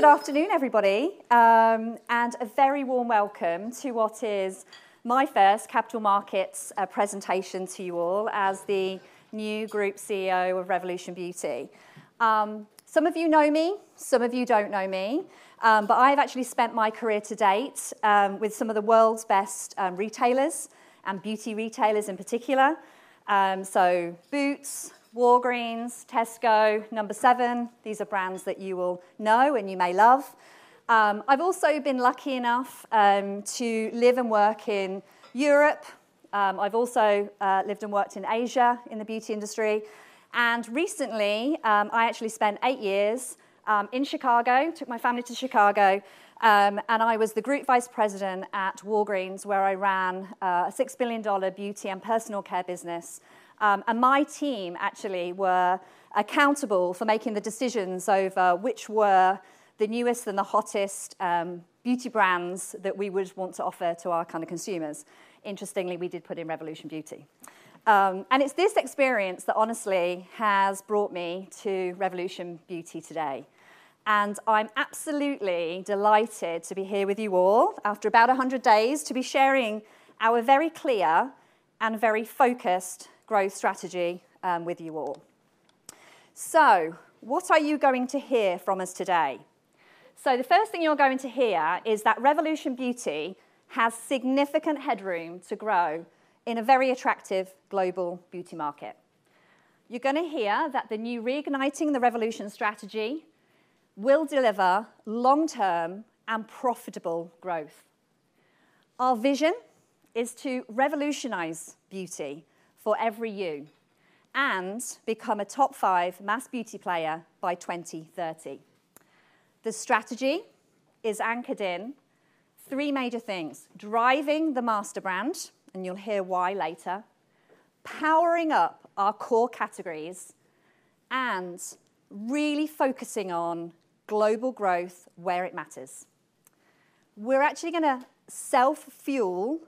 Well, good afternoon, everybody, and a very warm welcome to what is my first capital markets presentation to you all as the new Group CEO of Revolution Beauty. Some of you know me, some of you don't know me, but I've actually spent my career to date with some of the world's best retailers, and beauty retailers in particular. So Boots, Walgreens, Tesco, No7, these are brands that you will know and you may love. I've also been lucky enough to live and work in Europe. I've also lived and worked in Asia in the beauty industry, and recently I actually spent eight years in Chicago, took my family to Chicago. And I was the Group Vice President at Walgreens, where I ran a $6 billion beauty and personal care business. And my team actually were accountable for making the decisions over which were the newest and the hottest, beauty brands that we would want to offer to our kind of consumers. Interestingly, we did put in Revolution Beauty. And it's this experience that honestly has brought me to Revolution Beauty today, and I'm absolutely delighted to be here with you all, after about 100 days, to be sharing our very clear and very focused growth strategy, with you all. So what are you going to hear from us today? So the first thing you're going to hear is that Revolution Beauty has significant headroom to grow in a very attractive global beauty market. You're gonna hear that the new Reigniting the Revolution strategy will deliver long-term and profitable growth. Our vision is to revolutionize beauty for every you, and become a top five mass beauty player by 2030. The strategy is anchored in three major things: driving the master brand, and you'll hear why later, powering up our core categories, and really focusing on global growth where it matters. We're actually gonna self-fuel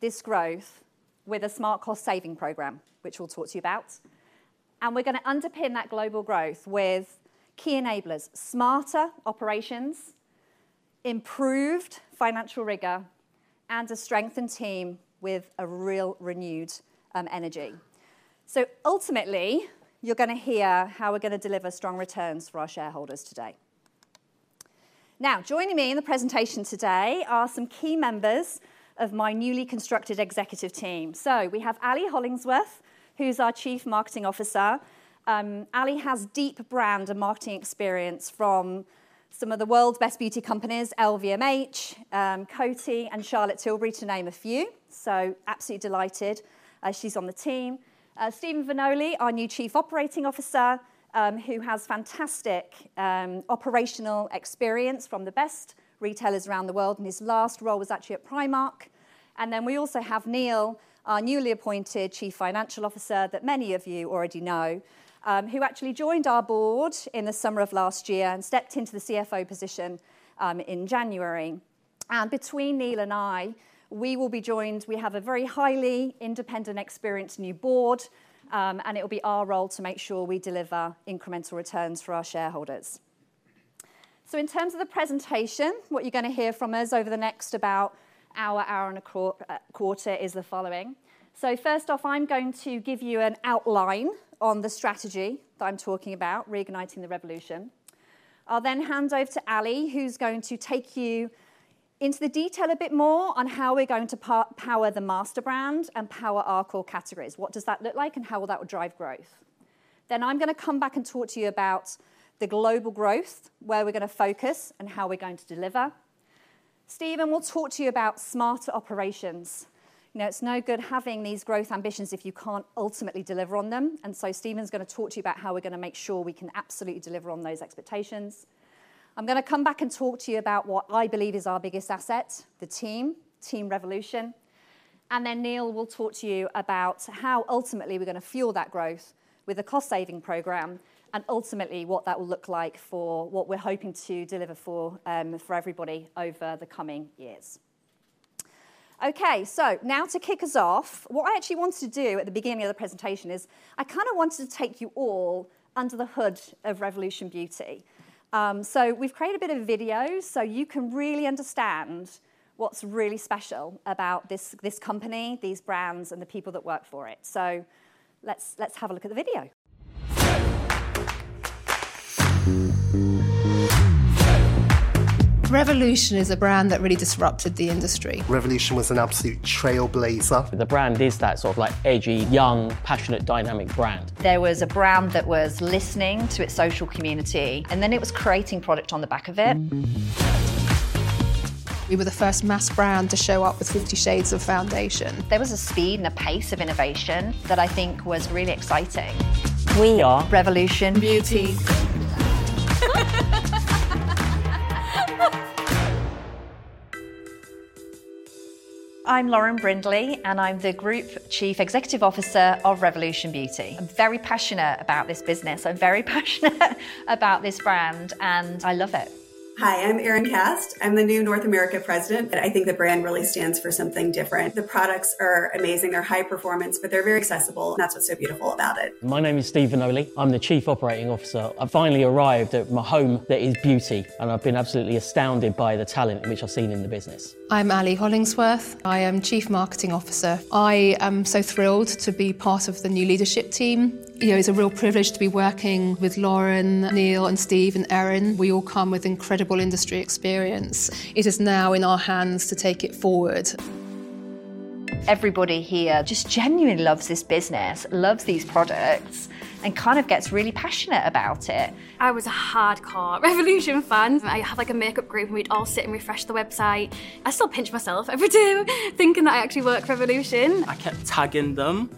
this growth with a smart cost-saving program, which we'll talk to you about, and we're gonna underpin that global growth with key enablers, smarter operations, improved financial rigor, and a strengthened team with a real renewed energy. So ultimately, you're gonna hear how we're gonna deliver strong returns for our shareholders today. Now, joining me in the presentation today are some key members of my newly constructed executive team. So we have Ali Hollingsworth, who's our Chief Marketing Officer. Ali has deep brand and marketing experience from some of the world's best beauty companies, LVMH, Coty, and Charlotte Tilbury, to name a few, so absolutely delighted, she's on the team. Steven Vanoli, our new Chief Operating Officer, who has fantastic operational experience from the best retailers around the world, and his last role was actually at Primark. And then we also have Neil, our newly appointed Chief Financial Officer, that many of you already know, who actually joined our board in the summer of last year and stepped into the CFO position, in January. And between Neil and I, we will be joined. We have a very highly independent, experienced new board, and it will be our role to make sure we deliver incremental returns for our shareholders. In terms of the presentation, what you're gonna hear from us over the next about hour, hour and a quarter, is the following. First off, I'm going to give you an outline on the strategy that I'm talking about, Reigniting the Revolution. I'll then hand over to Ali, who's going to take you into the detail a bit more on how we're going to power the master brand and power our core categories. What does that look like, and how will that drive growth? Then I'm gonna come back and talk to you about the global growth, where we're gonna focus, and how we're going to deliver. Steven will talk to you about smarter operations. You know, it's no good having these growth ambitions if you can't ultimately deliver on them, and so Steven's gonna talk to you about how we're gonna make sure we can absolutely deliver on those expectations. I'm gonna come back and talk to you about what I believe is our biggest asset, the team, Team Revolution, and then Neil will talk to you about how ultimately we're gonna fuel that growth with a cost-saving program, and ultimately, what that will look like for what we're hoping to deliver for everybody over the coming years. Okay, so now to kick us off, what I actually wanted to do at the beginning of the presentation is, I kind of wanted to take you all under the hood of Revolution Beauty. We've created a bit of a video, so you can really understand what's really special about this company, these brands, and the people that work for it. Let's have a look at the video. Revolution is a brand that really disrupted the industry. Revolution was an absolute trailblazer. The brand is that sort of like edgy, young, passionate, dynamic brand. There was a brand that was listening to its social community, and then it was creating product on the back of it. We were the first mass brand to show up with 50 shades of foundation. There was a speed and a pace of innovation that I think was really exciting. We are. Revolution Beauty. I'm Lauren Brindley, and I'm the Group Chief Executive Officer of Revolution Beauty. I'm very passionate about this business. I'm very passionate about this brand, and I love it. Hi, I'm Erin Cast. I'm the new North America President, and I think the brand really stands for something different. The products are amazing. They're high performance, but they're very accessible, and that's what's so beautiful about it. My name is Steven Vanoli. I'm the Chief Operating Officer. I've finally arrived at my home, that is beauty, and I've been absolutely astounded by the talent which I've seen in the business. I'm Alison Hollingsworth. I am Chief Marketing Officer. I am so thrilled to be part of the new leadership team. You know, it's a real privilege to be working with Lauren, Neil, and Steve, and Erin. We all come with incredible industry experience. It is now in our hands to take it forward. Everybody here just genuinely loves this business, loves these products, and kind of gets really passionate about it. I was a hardcore Revolution fan. I had, like, a makeup group, and we'd all sit and refresh the website. I still pinch myself every day, thinking that I actually work for Revolution. I kept tagging them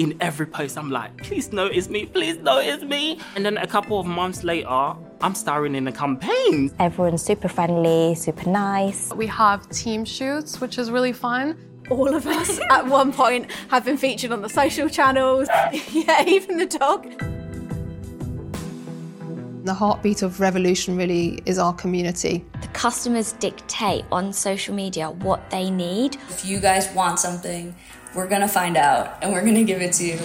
in every post. I'm like, "Please notice me. Please notice me!" And then a couple of months later, I'm starring in a campaign. Everyone's super friendly, super nice. We have team shoots, which is really fun. All of us, at one point, have been featured on the social channels. Yeah, even the dog. The heartbeat of Revolution really is our community. The customers dictate on social media what they need. If you guys want something, we're gonna find out, and we're gonna give it to you.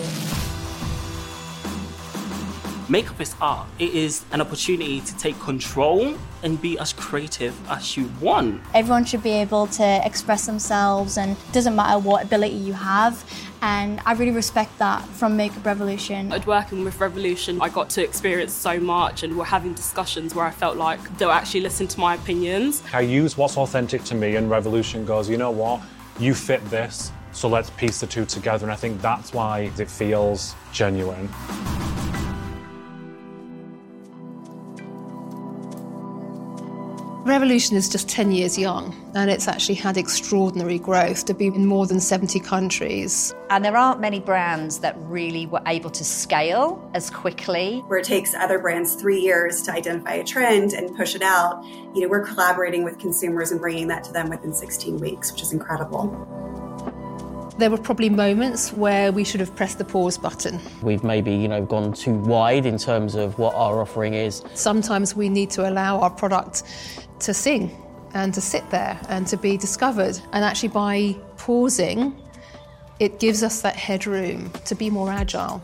Makeup is art. It is an opportunity to take control and be as creative as you want. Everyone should be able to express themselves, and doesn't matter what ability you have, and I really respect that from Makeup Revolution. At working with Revolution, I got to experience so much, and we're having discussions where I felt like they'll actually listen to my opinions. I use what's authentic to me, and Revolution goes, "You know what? You fit this, so let's piece the two together." And I think that's why it feels genuine. Revolution is just 10 years young, and it's actually had extraordinary growth to be in more than 70 countries. There aren't many brands that really were able to scale as quickly. Where it takes other brands three years to identify a trend and push it out, you know, we're collaborating with consumers and bringing that to them within 16 weeks, which is incredible. There were probably moments where we should have pressed the pause button. We've maybe, you know, gone too wide in terms of what our offering is. Sometimes we need to allow our product to sing, and to sit there, and to be discovered, and actually, by pausing, it gives us that headroom to be more agile.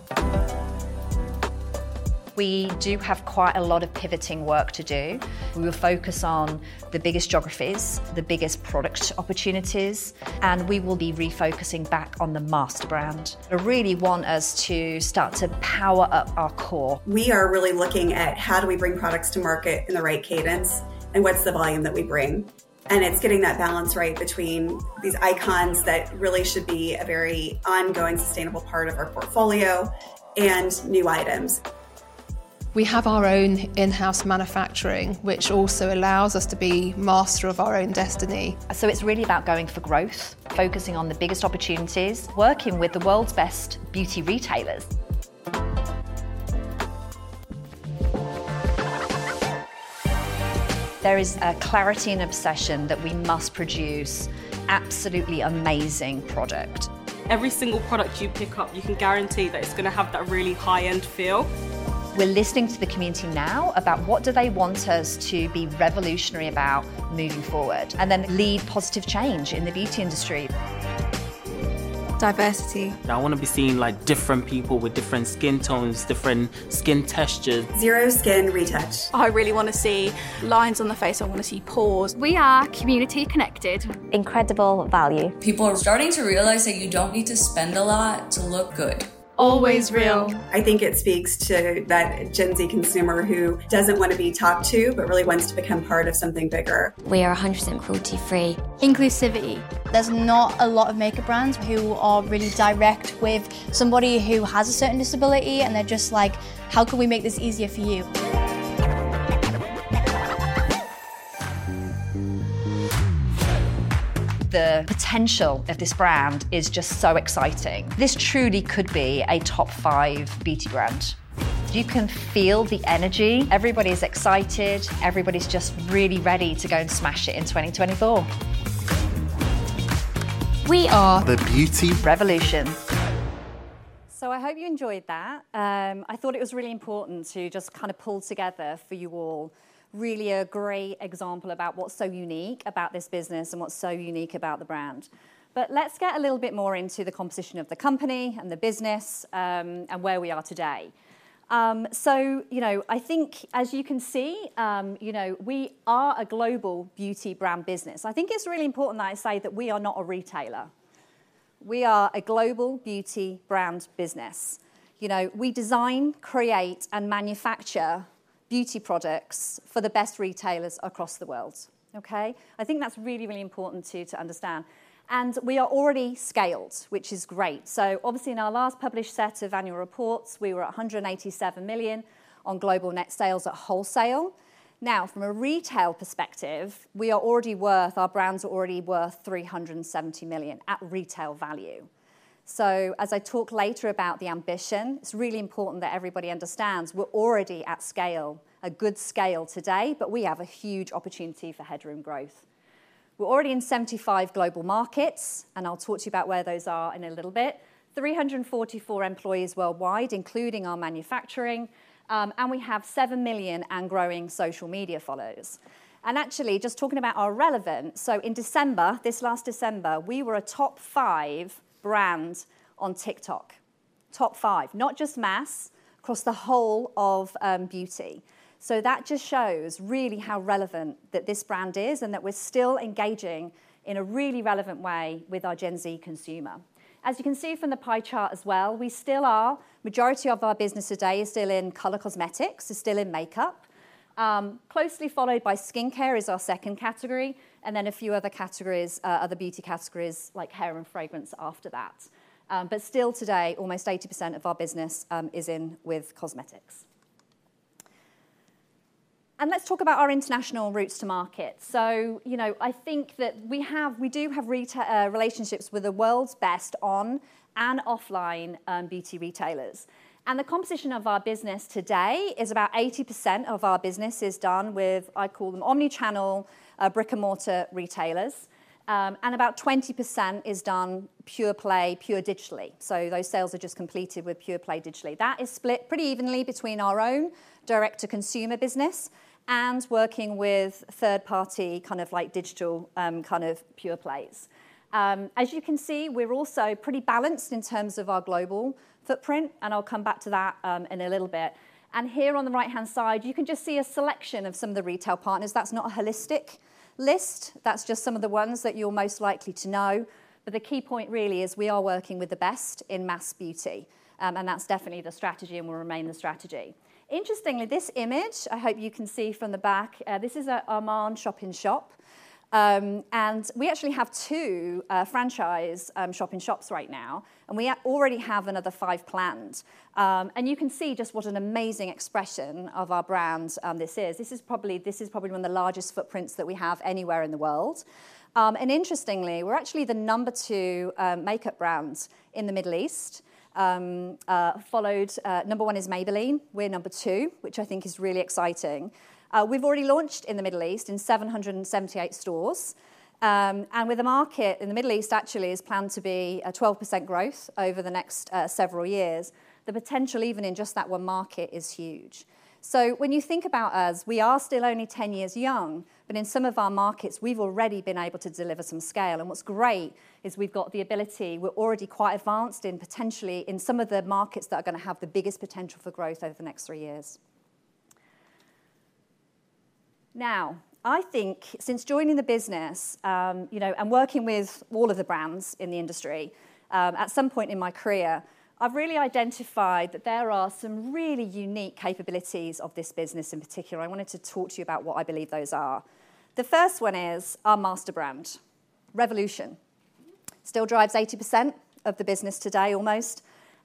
We do have quite a lot of pivoting work to do. We will focus on the biggest geographies, the biggest product opportunities, and we will be refocusing back on the master brand. I really want us to start to power up our core. We are really looking at how do we bring products to market in the right cadence, and what's the volume that we bring? It's getting that balance right between these icons that really should be a very ongoing, sustainable part of our portfolio and new items. We have our own in-house manufacturing, which also allows us to be master of our own destiny. It's really about going for growth, focusing on the biggest opportunities, working with the world's best beauty retailers. There is a clarity and obsession that we must produce absolutely amazing product. Every single product you pick up, you can guarantee that it's gonna have that really high-end feel. We're listening to the community now about what do they want us to be revolutionary about moving forward, and then lead positive change in the beauty industry. Diversity. I wanna be seeing, like, different people with different skin tones, different skin textures. Zero skin retouch. I really wanna see lines on the face. I wanna see pores. We are community connected. Incredible value. People are starting to realize that you don't need to spend a lot to look good. Always real. I think it speaks to that Gen Z consumer who doesn't wanna be talked to, but really wants to become part of something bigger. We are 100% cruelty-free. Inclusivity. There's not a lot of makeup brands who are really direct with somebody who has a certain disability, and they're just like, "How can we make this easier for you? The potential of this brand is just so exciting. This truly could be a top five beauty brand. You can feel the energy. Everybody's excited. Everybody's just really ready to go and smash it in 2024. We are. The beauty. Revolution. I hope you enjoyed that. I thought it was really important to just kind of pull together for you all, really a great example about what's so unique about this business and what's so unique about the brand. Let's get a little bit more into the composition of the company, and the business, and where we are today. You know, I think, as you can see, you know, we are a global beauty brand business. I think it's really important that I say that we are not a retailer. We are a global beauty brand business. You know, we design, create, and manufacture beauty products for the best retailers across the world, okay? I think that's really, really important, too, to understand. We are already scaled, which is great. So obviously, in our last published set of annual reports, we were at 187 million on global net sales at wholesale. Now, from a retail perspective, we are already worth. R Our brands are already worth 370 million at retail value. So as I talk later about the ambition, it's really important that everybody understands we're already at scale, a good scale today, but we have a huge opportunity for headroom growth. We're already in 75 global markets, and I'll talk to you about where those are in a little bit. 344 employees worldwide, including our manufacturing, and we have 7 million and growing social media followers. And actually, just talking about our relevance, so in December, this last December, we were a top five brand on TikTok. Top five, not just mass, across the whole of, beauty. So that just shows really how relevant that this brand is, and that we're still engaging in a really relevant way with our Gen Z consumer. As you can see from the pie chart as well, we still are majority of our business today is still in color cosmetics, is still in makeup. Closely followed by skincare is our second category, and then a few other categories, other beauty categories, like hair and fragrance, after that. But still today, almost 80% of our business is in with cosmetics. And let's talk about our international routes to market. So, you know, I think that we have we do have relationships with the world's best on and offline, beauty retailers. The composition of our business today is about 80% of our business is done with, I call them omni-channel, brick-and-mortar retailers, and about 20% is done pure play, pure digitally. So those sales are just completed with pure play digitally. That is split pretty evenly between our own direct-to-consumer business and working with third-party, kind of like digital, kind of pure plays. As you can see, we're also pretty balanced in terms of our global footprint, and I'll come back to that, in a little bit. Here on the right-hand side, you can just see a selection of some of the retail partners. That's not a holistic list. That's just some of the ones that you're most likely to know, but the key point really is we are working with the best in mass beauty, and that's definitely the strategy and will remain the strategy. Interestingly, this image, I hope you can see from the back. This is an Armand shop-in-shop. We actually have two franchise shop-in-shops right now, and we already have another five planned. You can see just what an amazing expression of our brand this is. This is probably, this is probably one of the largest footprints that we have anywhere in the world. Interestingly, we're actually the number two makeup brand in the Middle East, followed. Number one is Maybelline. We're number two, which I think is really exciting. We've already launched in the Middle East in 778 stores. And with the market in the Middle East actually is planned to be a 12% growth over the next several years, the potential even in just that one market is huge. So when you think about us, we are still only 10 years young, but in some of our markets, we've already been able to deliver some scale. And what's great is we've got the ability. We're already quite advanced in potentially in some of the markets that are gonna have the biggest potential for growth over the next three years. Now, I think since joining the business, you know, and working with all of the brands in the industry, at some point in my career, I've really identified that there are some really unique capabilities of this business in particular. I wanted to talk to you about what I believe those are. The first one is our master brand, Revolution. Still drives 80% of the business today, almost,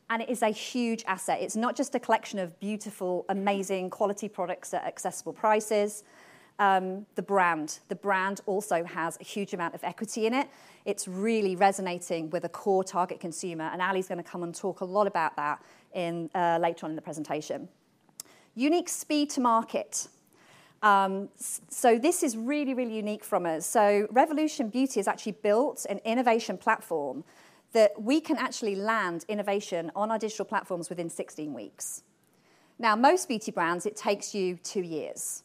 and it is a huge asset. It's not just a collection of beautiful, amazing quality products at accessible prices, the brand, the brand also has a huge amount of equity in it. It's really resonating with a core target consumer, and Ally's gonna come and talk a lot about that in later on in the presentation. Unique speed to market. So this is really, really unique from us. So Revolution Beauty has actually built an innovation platform that we can actually land innovation on our digital platforms within 16 weeks. Now, most beauty brands, it takes you two years.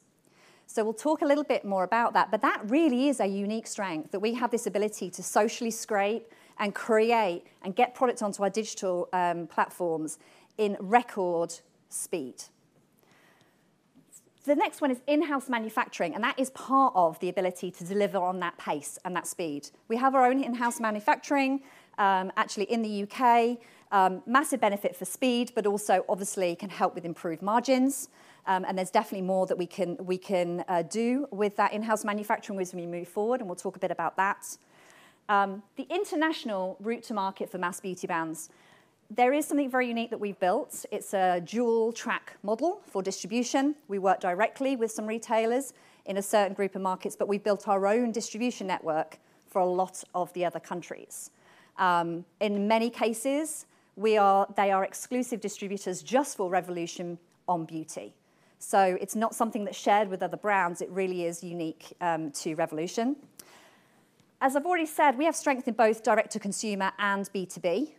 So we'll talk a little bit more about that, but that really is a unique strength, that we have this ability to socially scrape and create and get products onto our digital platforms in record speed. The next one is in-house manufacturing, and that is part of the ability to deliver on that pace and that speed. We have our own in-house manufacturing, actually in the U.K. Massive benefit for speed, but also obviously can help with improved margins, and there's definitely more that we can do with that in-house manufacturing as we move forward, and we'll talk a bit about that. The international route to market for mass beauty brands. There is something very unique that we built. It's a dual-track model for distribution. We work directly with some retailers in a certain group of markets, but we built our own distribution network for a lot of the other countries. In many cases, they are exclusive distributors just for Revolution Beauty. So it's not something that's shared with other brands. It really is unique to Revolution. As I've already said, we have strength in both direct-to-consumer and B2B.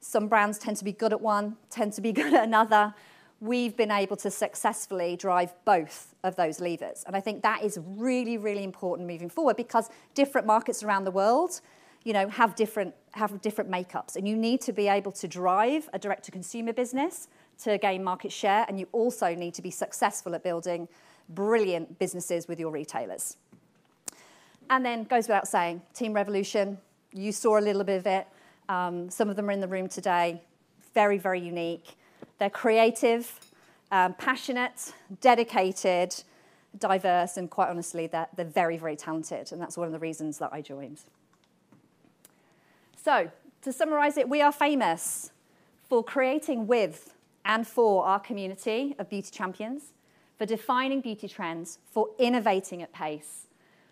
Some brands tend to be good at one, tend to be good at another. We've been able to successfully drive both of those levers, and I think that is really, really important moving forward because different markets around the world, you know, have different makeups, and you need to be able to drive a direct-to-consumer business to gain market share, and you also need to be successful at building brilliant businesses with your retailers. And then, goes without saying, Team Revolution, you saw a little bit of it. Some of them are in the room today. Very, very unique. They're creative, passionate, dedicated, diverse, and quite honestly, they're, they're very, very talented, and that's one of the reasons that I joined. So to summarize it, we are famous for creating with and for our community of beauty champions, for defining beauty trends, for innovating at pace,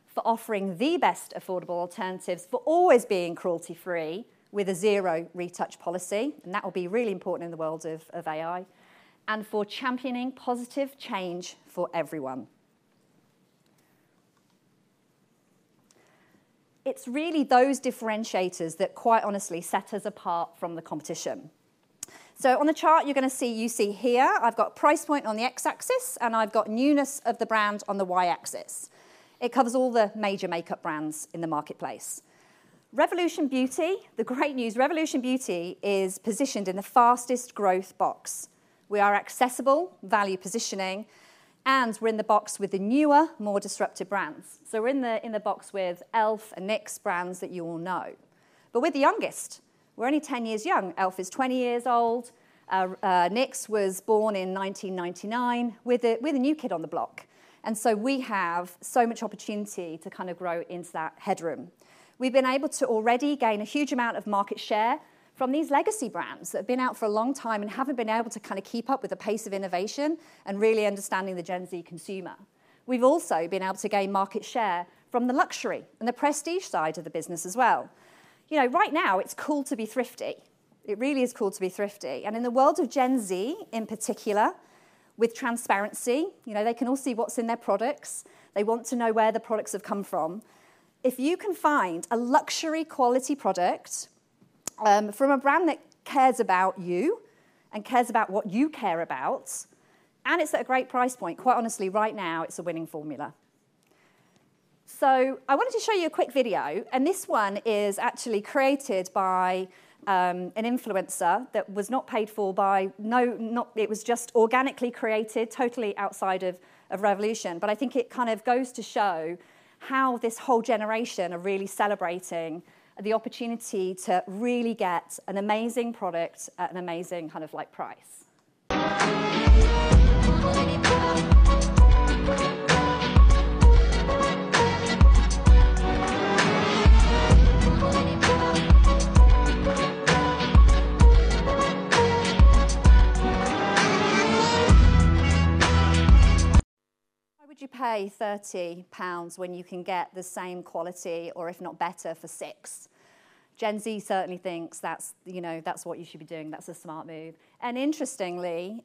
for offering the best affordable alternatives, for always being cruelty-free with a zero-retouch policy, and that will be really important in the world of, of AI, and for championing positive change for everyone. It's really those differentiators that quite honestly set us apart from the competition. So on the chart, you're gonna see, you see here, I've got price point on the x-axis, and I've got newness of the brand on the y-axis. It covers all the major makeup brands in the marketplace. Revolution Beauty, the great news, Revolution Beauty is positioned in the fastest growth box. We are accessible, value positioning, and we're in the box with the newer, more disruptive brands. So we're in the box with e.l.f. and NYX, brands that you all know. But we're the youngest. We're only 10 years young. e.l.f. is 20 years old. NYX was born in 1999. We're the new kid on the block, and so we have so much opportunity to kind of grow into that headroom. We've been able to already gain a huge amount of market share from these legacy brands that have been out for a long time and haven't been able to kinda keep up with the pace of innovation and really understanding the Gen Z consumer. We've also been able to gain market share from the luxury and the prestige side of the business as well. You know, right now, it's cool to be thrifty. It really is cool to be thrifty, and in the world of Gen Z, in particular, with transparency, you know, they can all see what's in their products. They want to know where the products have come from. If you can find a luxury quality product from a brand that cares about you and cares about what you care about, and it's at a great price point, quite honestly, right now, it's a winning formula. So I wanted to show you a quick video, and this one is actually created by an influencer that was not paid for. It was just organically created, totally outside of Revolution. I think it kind of goes to show how this whole generation are really celebrating the opportunity to really get an amazing product at an amazing kind of, like, price. Why would you pay 30 pounds when you can get the same quality, or if not better, for 6? Gen Z certainly thinks that's, you know, that's what you should be doing. That's a smart move. And interestingly,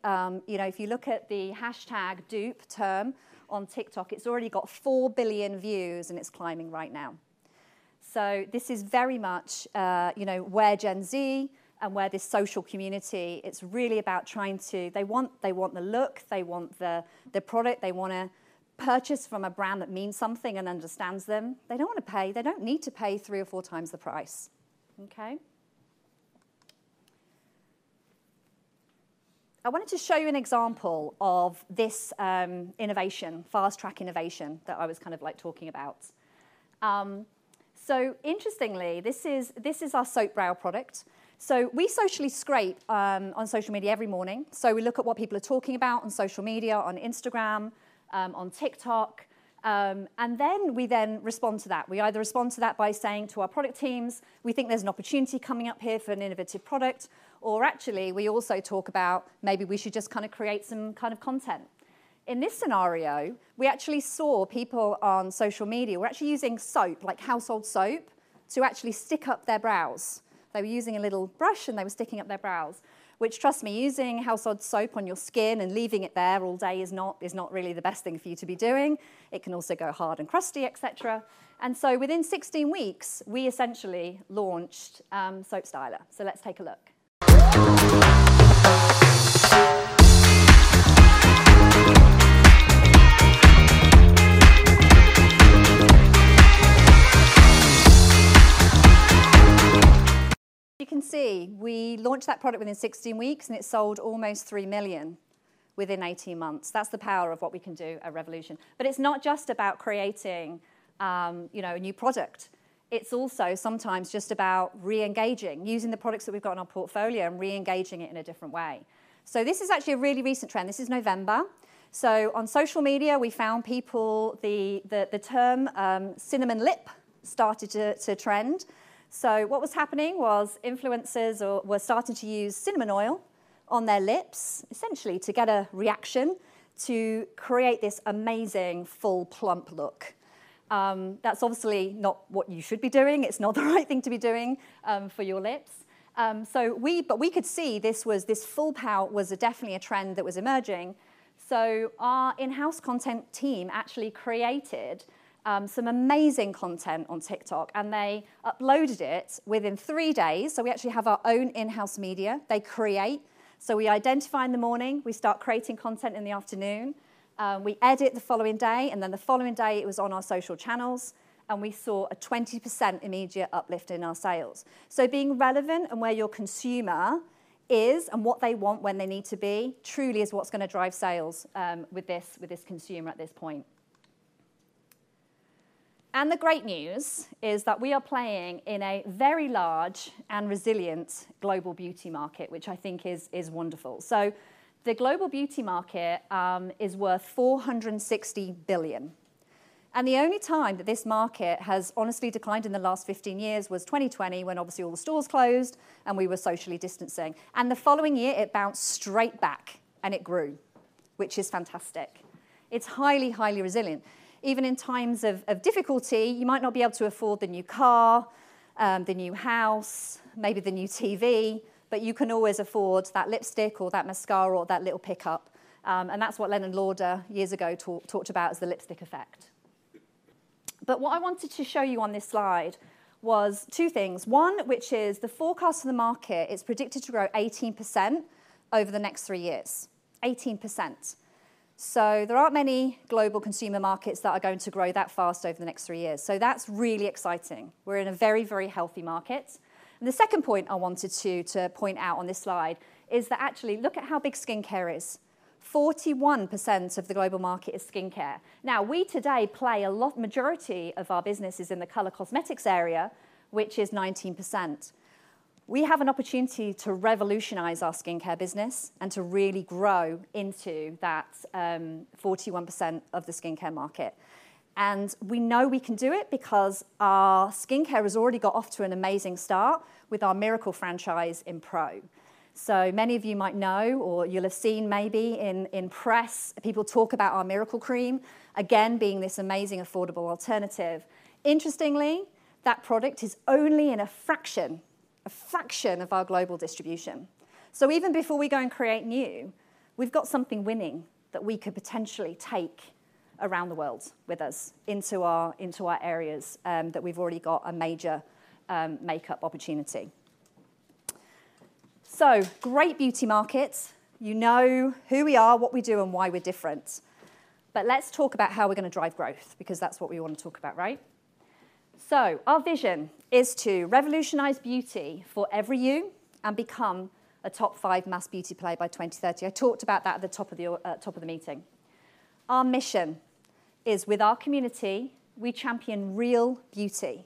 you know, if you look at the hashtag dupe term on TikTok, it's already got 4 billion views, and it's climbing right now. So this is very much, you know, where Gen Z and where this social community, it's really about trying to. They want, they want the look, they want the, the product. They wanna purchase from a brand that means something and understands them. They don't wanna pay. They don't need to pay three or four times the price, okay? I wanted to show you an example of this innovation, fast-track innovation, that I was kind of, like, talking about. So interestingly, this is our soap brow product. So we socially scrape on social media every morning. So we look at what people are talking about on social media, on Instagram, on TikTok, and then we respond to that. We either respond to that by saying to our product teams, "We think there's an opportunity coming up here for an innovative product," or actually, we also talk about, maybe we should just kinda create some kind of content. In this scenario, we actually saw people on social media were actually using soap, like household soap, to actually stick up their brows. They were using a little brush, and they were sticking up their brows, which, trust me, using household soap on your skin and leaving it there all day is not, is not really the best thing for you to be doing. It can also go hard and crusty, et cetera. And so within 16 weeks, we essentially launched Soap Styler. So let's take a look. You can see, we launched that product within 16 weeks, and it sold almost 3 million within 18 months. That's the power of what we can do at Revolution. But it's not just about creating, you know, a new product. It's also sometimes just about re-engaging, using the products that we've got in our portfolio and re-engaging it in a different way. So this is actually a really recent trend. This is November. So on social media, we found people. The term cinnamon lip started to trend. So what was happening was influencers were starting to use cinnamon oil on their lips, essentially to get a reaction to create this amazing full, plump look. That's obviously not what you should be doing. It's not the right thing to be doing for your lips. So we could see this was, this full pout was definitely a trend that was emerging. So our in-house content team actually created some amazing content on TikTok, and they uploaded it within three days. So we actually have our own in-house media. They create. So we identify in the morning, we start creating content in the afternoon, we edit the following day, and then the following day, it was on our social channels, and we saw a 20% immediate uplift in our sales. So being relevant and where your consumer is and what they want when they need to be, truly is what's gonna drive sales with this consumer at this point. And the great news is that we are playing in a very large and resilient global beauty market, which I think is wonderful. So the global beauty market is worth 460 billion, and the only time that this market has honestly declined in the last 15 years was 2020, when obviously all the stores closed and we were socially distancing. And the following year, it bounced straight back, and it grew, which is fantastic. It's highly, highly resilient. Even in times of difficulty, you might not be able to afford the new car. The new house, maybe the new TV, but you can always afford that lipstick or that mascara or that little pickup. And that's what Leonard Lauder, years ago, talked about as the lipstick effect. But what I wanted to show you on this slide was two things. One, which is the forecast for the market is predicted to grow 18% over the next three years. 18%. So there aren't many global consumer markets that are going to grow that fast over the next three years, so that's really exciting. We're in a very, very healthy market. And the second point I wanted to point out on this slide is that actually, look at how big skincare is. 41% of the global market is skincare. Now, we today play a lot majority of our business is in the color cosmetics area, which is 19%. We have an opportunity to revolutionize our skincare business and to really grow into that, 41% of the skincare market, and we know we can do it because our skincare has already got off to an amazing start with our Miracle franchise in Pro. So many of you might know or you'll have seen maybe in press, people talk about our Miracle Cream, again, being this amazing, affordable alternative. Interestingly, that product is only in a fraction of our global distribution. So even before we go and create new, we've got something winning that we could potentially take around the world with us into our areas that we've already got a major makeup opportunity. So great beauty markets. You know who we are, what we do, and why we're different. But let's talk about how we're gonna drive growth, because that's what we want to talk about, right? So our vision is to revolutionize beauty for every you and become a top five mass beauty player by 2030. I talked about that at the top of the meeting. Our mission is, with our community, we champion real beauty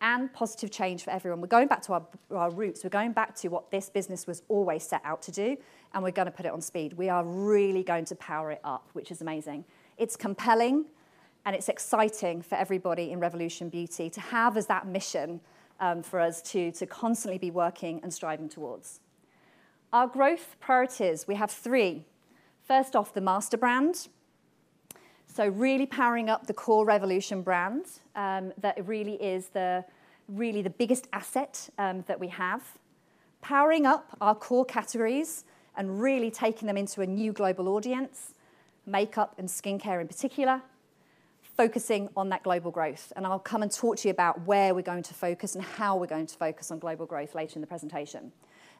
and positive change for everyone. We're going back to our, our roots. We're going back to what this business was always set out to do, and we're gonna put it on speed. We are really going to power it up, which is amazing. It's compelling, and it's exciting for everybody in Revolution Beauty to have as that mission, for us to, to constantly be working and striving towards. Our growth priorities, we have three. First off, the master brand. So really powering up the core Revolution brand, that really is. Really the biggest asset that we have. Powering up our core categories and really taking them into a new global audience, makeup and skincare in particular, focusing on that global growth, and I'll come and talk to you about where we're going to focus and how we're going to focus on global growth later in the presentation.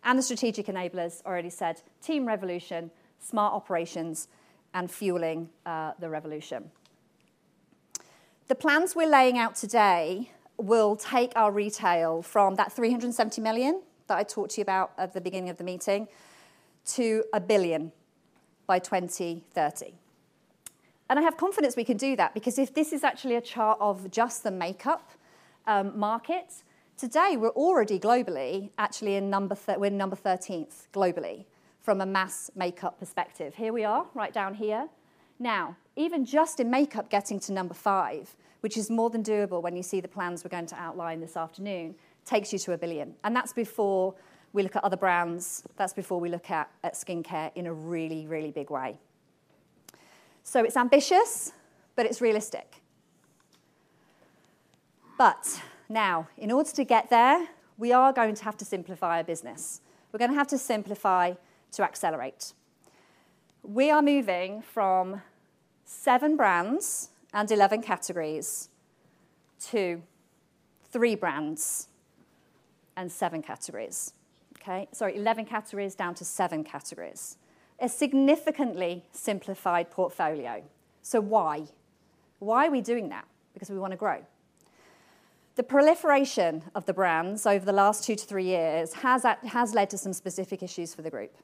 And the strategic enablers, already said, Team Revolution, smart operations, and fueling the Revolution. The plans we're laying out today will take our retail from that 370 million, that I talked to you about at the beginning of the meeting, to 1 billion by 2030. I have confidence we can do that, because if this is actually a chart of just the makeup market, today, we're already globally, actually in number 13th, we're number 13th globally, from a mass makeup perspective. Here we are, right down here. Now, even just in makeup, getting to number five, which is more than doable when you see the plans we're going to outline this afternoon, takes you to 1 billion, and that's before we look at other brands, that's before we look at, at skincare in a really, really big way. So it's ambitious, but it's realistic. But now, in order to get there, we are going to have to simplify our business. We're gonna have to simplify to accelerate. We are moving from seven brands and 11 categories to three brands and seven categories, okay? Sorry, 11 categories down to seven categories. A significantly simplified portfolio. So why? Why are we doing that? Because we wanna grow. The proliferation of the brands over the last two-three years has led to some specific issues for the group.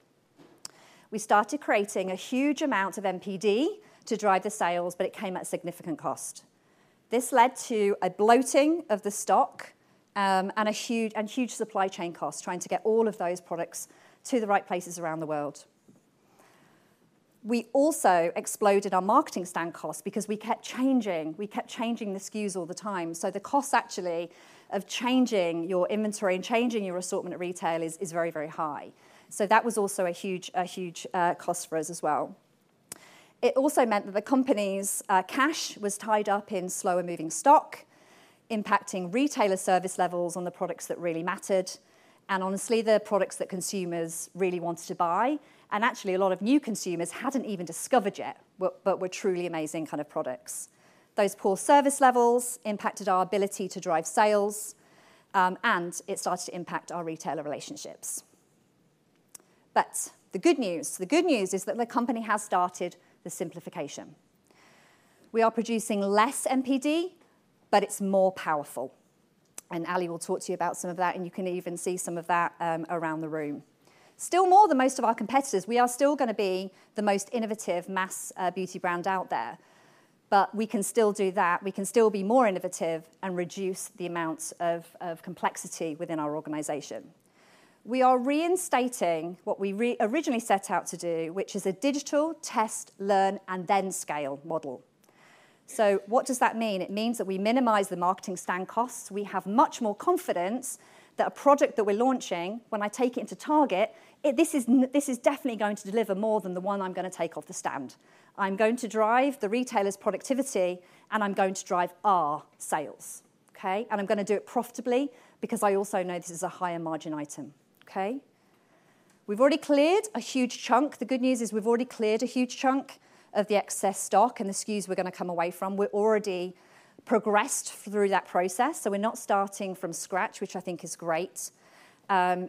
We started creating a huge amount of NPD to drive the sales, but it came at significant cost. This led to a bloating of the stock, and a huge supply chain costs, trying to get all of those products to the right places around the world. We also exploded our marketing spend costs because we kept changing, we kept changing the SKUs all the time, so the cost actually of changing your inventory and changing your assortment at retail is very, very high. So that was also a huge cost for us as well. It also meant that the company's cash was tied up in slower-moving stock, impacting retailer service levels on the products that really mattered, and honestly, the products that consumers really wanted to buy, and actually a lot of new consumers hadn't even discovered yet, but, but were truly amazing kind of products. Those poor service levels impacted our ability to drive sales, and it started to impact our retailer relationships. But the good news, the good news is that the company has started the simplification. We are producing less NPD, but it's more powerful, and Ali will talk to you about some of that, and you can even see some of that around the room. Still more than most of our competitors, we are still gonna be the most innovative mass beauty brand out there, but we can still do that. We can still be more innovative and reduce the amount of complexity within our organization. We are reinstating what we originally set out to do, which is a digital test, learn, and then scale model. So what does that mean? It means that we minimize the marketing stand costs. We have much more confidence that a product that we're launching, when I take it into Target, this is definitely going to deliver more than the one I'm gonna take off the stand. I'm going to drive the retailer's productivity, and I'm going to drive our sales, okay? And I'm gonna do it profitably because I also know this is a higher margin item, okay? We've already cleared a huge chunk. The good news is we've already cleared a huge chunk of the excess stock and the SKUs we're gonna come away from. We're already progressed through that process, so we're not starting from scratch, which I think is great.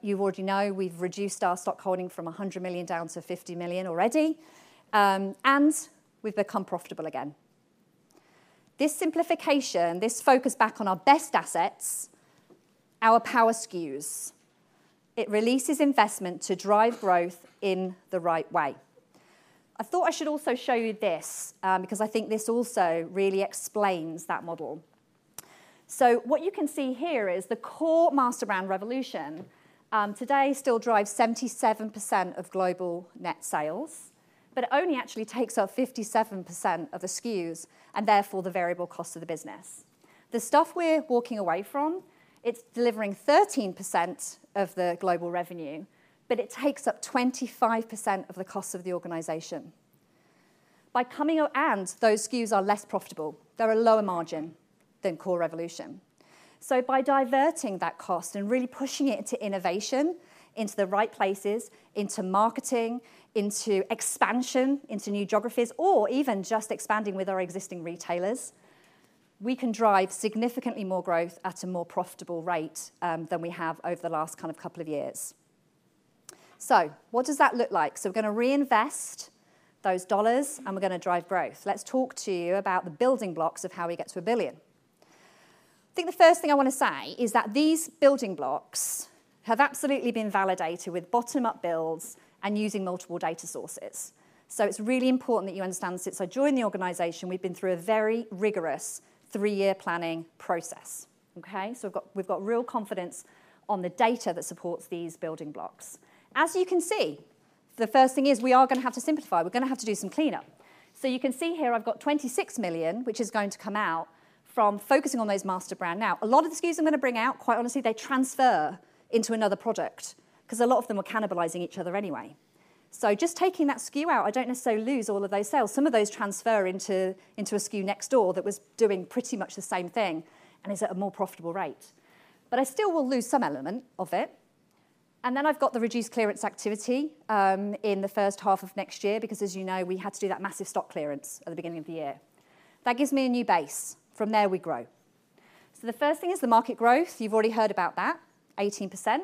You already know we've reduced our stockholding from 100 million down to 50 million already, and we've become profitable again. This simplification, this focus back on our best assets, our power SKUs, it releases investment to drive growth in the right way. I thought I should also show you this, because I think this also really explains that model. So what you can see here is the core master brand Revolution, today still drives 77% of global net sales, but it only actually takes up 57% of the SKUs, and therefore the variable cost of the business. The stuff we're walking away from, it's delivering 13% of the global revenue, but it takes up 25% of the cost of the organization. By coming out and those SKUs are less profitable. They're a lower margin than core Revolution. So by diverting that cost and really pushing it into innovation, into the right places, into marketing, into expansion, into new geographies, or even just expanding with our existing retailers, we can drive significantly more growth at a more profitable rate than we have over the last kind of couple of years. So what does that look like? So we're gonna reinvest those dollars, and we're gonna drive growth. Let's talk to you about the building blocks of how we get to 1 billion. I think the first thing I wanna say is that these building blocks have absolutely been validated with bottom-up builds and using multiple data sources. So it's really important that you understand this. Since I joined the organization, we've been through a very rigorous three-year planning process, okay? So we've got, we've got real confidence on the data that supports these building blocks. As you can see, the first thing is we are gonna have to simplify. We're gonna have to do some cleanup. So you can see here I've got 26 million, which is going to come out from focusing on those master brand. Now, a lot of the SKUs I'm gonna bring out, quite honestly, they transfer into another product 'cause a lot of them were cannibalizing each other anyway. So just taking that SKU out, I don't necessarily lose all of those sales. Some of those transfer into, into a SKU next door that was doing pretty much the same thing and is at a more profitable rate. But I still will lose some element of it, and then I've got the reduced clearance activity in the first half of next year, because as you know, we had to do that massive stock clearance at the beginning of the year. That gives me a new base. From there, we grow. So the first thing is the market growth. You've already heard about that, 18%.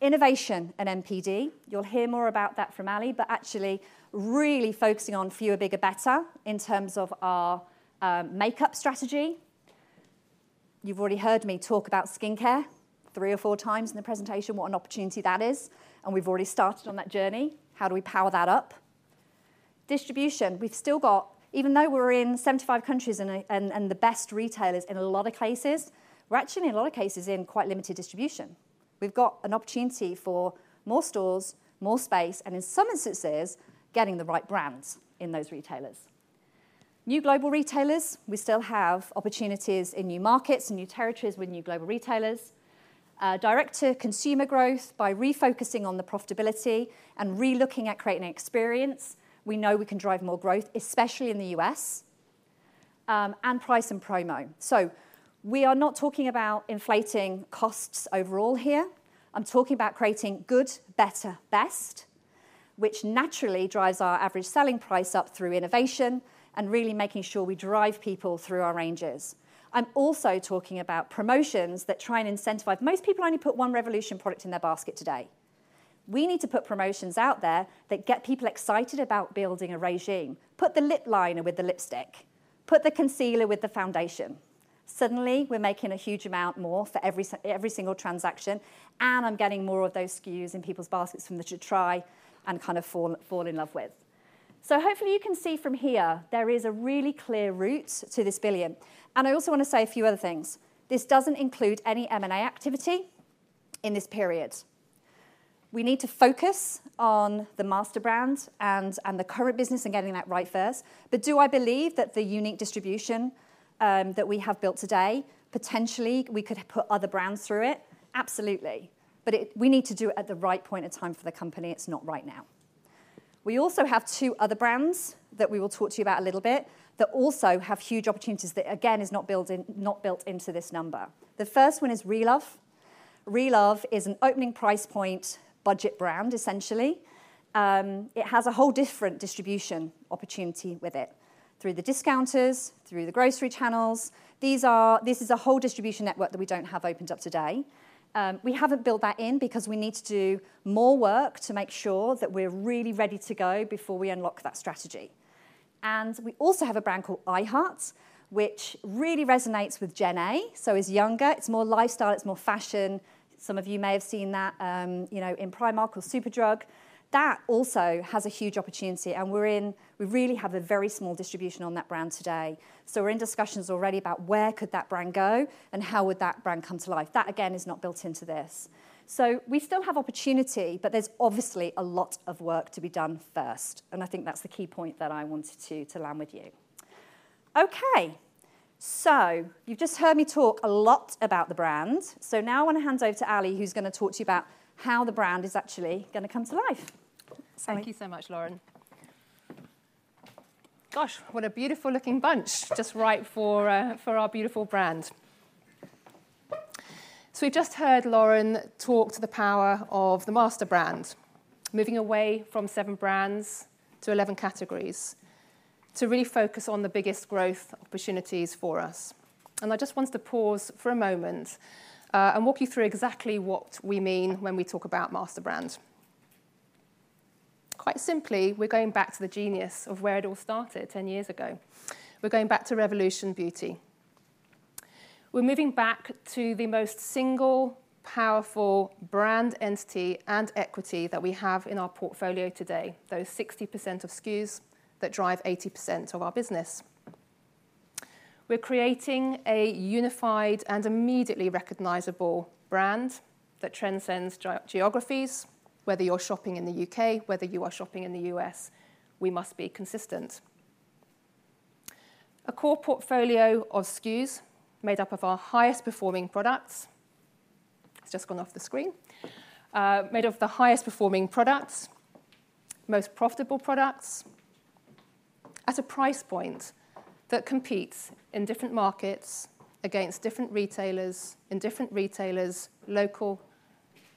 Innovation and NPD, you'll hear more about that from Ali, but actually really focusing on fewer, bigger, better in terms of our makeup strategy. You've already heard me talk about skincare three or four times in the presentation, what an opportunity that is, and we've already started on that journey. How do we power that up? Distribution. We've still got. Even though we're in 75 countries and the best retailers in a lot of cases, we're actually in a lot of cases in quite limited distribution. We've got an opportunity for more stores, more space, and in some instances, getting the right brands in those retailers. New global retailers, we still have opportunities in new markets and new territories with new global retailers. Direct-to-consumer growth, by refocusing on the profitability and relooking at creating an experience, we know we can drive more growth, especially in the U.S. and price and promo. So we are not talking about inflating costs overall here. I'm talking about creating good, better, best, which naturally drives our average selling price up through innovation and really making sure we drive people through our ranges. I'm also talking about promotions that try and incentivize. Most people only put one Revolution product in their basket today. We need to put promotions out there that get people excited about building a regimen. Put the lip liner with the lipstick. Put the concealer with the foundation. Suddenly, we're making a huge amount more for every single transaction, and I'm getting more of those SKUs in people's baskets from there to try and kind of fall in love with. So hopefully you can see from here there is a really clear route to this 1 billion, and I also want to say a few other things. This doesn't include any M&A activity in this period. We need to focus on the master brand and the current business and getting that right first. But do I believe that the unique distribution that we have built today, potentially we could put other brands through it? Absolutely. But we need to do it at the right point in time for the company. It's not right now. We also have two other brands that we will talk to you about a little bit that also have huge opportunities that again, is not built into this number. The first one is Relove. Relove is an opening price point budget brand, essentially. It has a whole different distribution opportunity with it, through the discounters, through the grocery channels. This is a whole distribution network that we don't have opened up today. We haven't built that in because we need to do more work to make sure that we're really ready to go before we unlock that strategy. And we also have a brand called I Heart, which really resonates with Gen A, so it's younger, it's more lifestyle, it's more fashion. Some of you may have seen that, you know, in Primark or Superdrug. That also has a huge opportunity, and we really have a very small distribution on that brand today. So we're in discussions already about where could that brand go, and how would that brand come to life? That, again, is not built into this. So we still have opportunity, but there's obviously a lot of work to be done first, and I think that's the key point that I wanted to land with you. Okay, so you've just heard me talk a lot about the brand. So now I want to hand over to Ali, who's gonna talk to you about how the brand is actually gonna come to life. Ali? Thank you so much, Lauren. Gosh, what a beautiful looking bunch! Just right for our beautiful brand. So we've just heard Lauren talk to the power of the master brand, moving away from 7 brands to 11 categories, to really focus on the biggest growth opportunities for us. I just wanted to pause for a moment and walk you through exactly what we mean when we talk about master brand. Quite simply, we're going back to the genius of where it all started 10 years ago. We're going back to Revolution Beauty. We're moving back to the most single powerful brand entity and equity that we have in our portfolio today, those 60% of SKUs that drive 80% of our business. We're creating a unified and immediately recognizable brand that transcends geographies, whether you're shopping in the U.K., whether you are shopping in the U.S., we must be consistent. A core portfolio of SKUs made up of our highest performing products. It's just gone off the screen. Made of the highest performing products, most profitable products, at a price point that competes in different markets against different retailers, and different retailers, local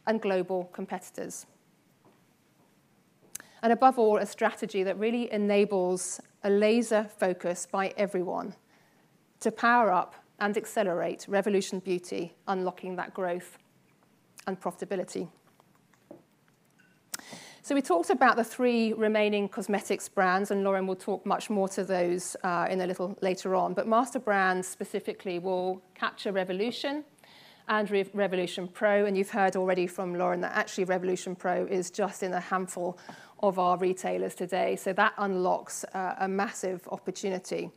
and global competitors. And above all, a strategy that really enables a laser focus by everyone to power up and accelerate Revolution Beauty, unlocking that growth and profitability. So we talked about the three remaining cosmetics brands, and Lauren will talk much more to those in a little later on. Master brands specifically will capture Revolution and Revolution Pro, and you've heard already from Lauren that actually Revolution Pro is just in a handful of our retailers today, so that unlocks a massive opportunity.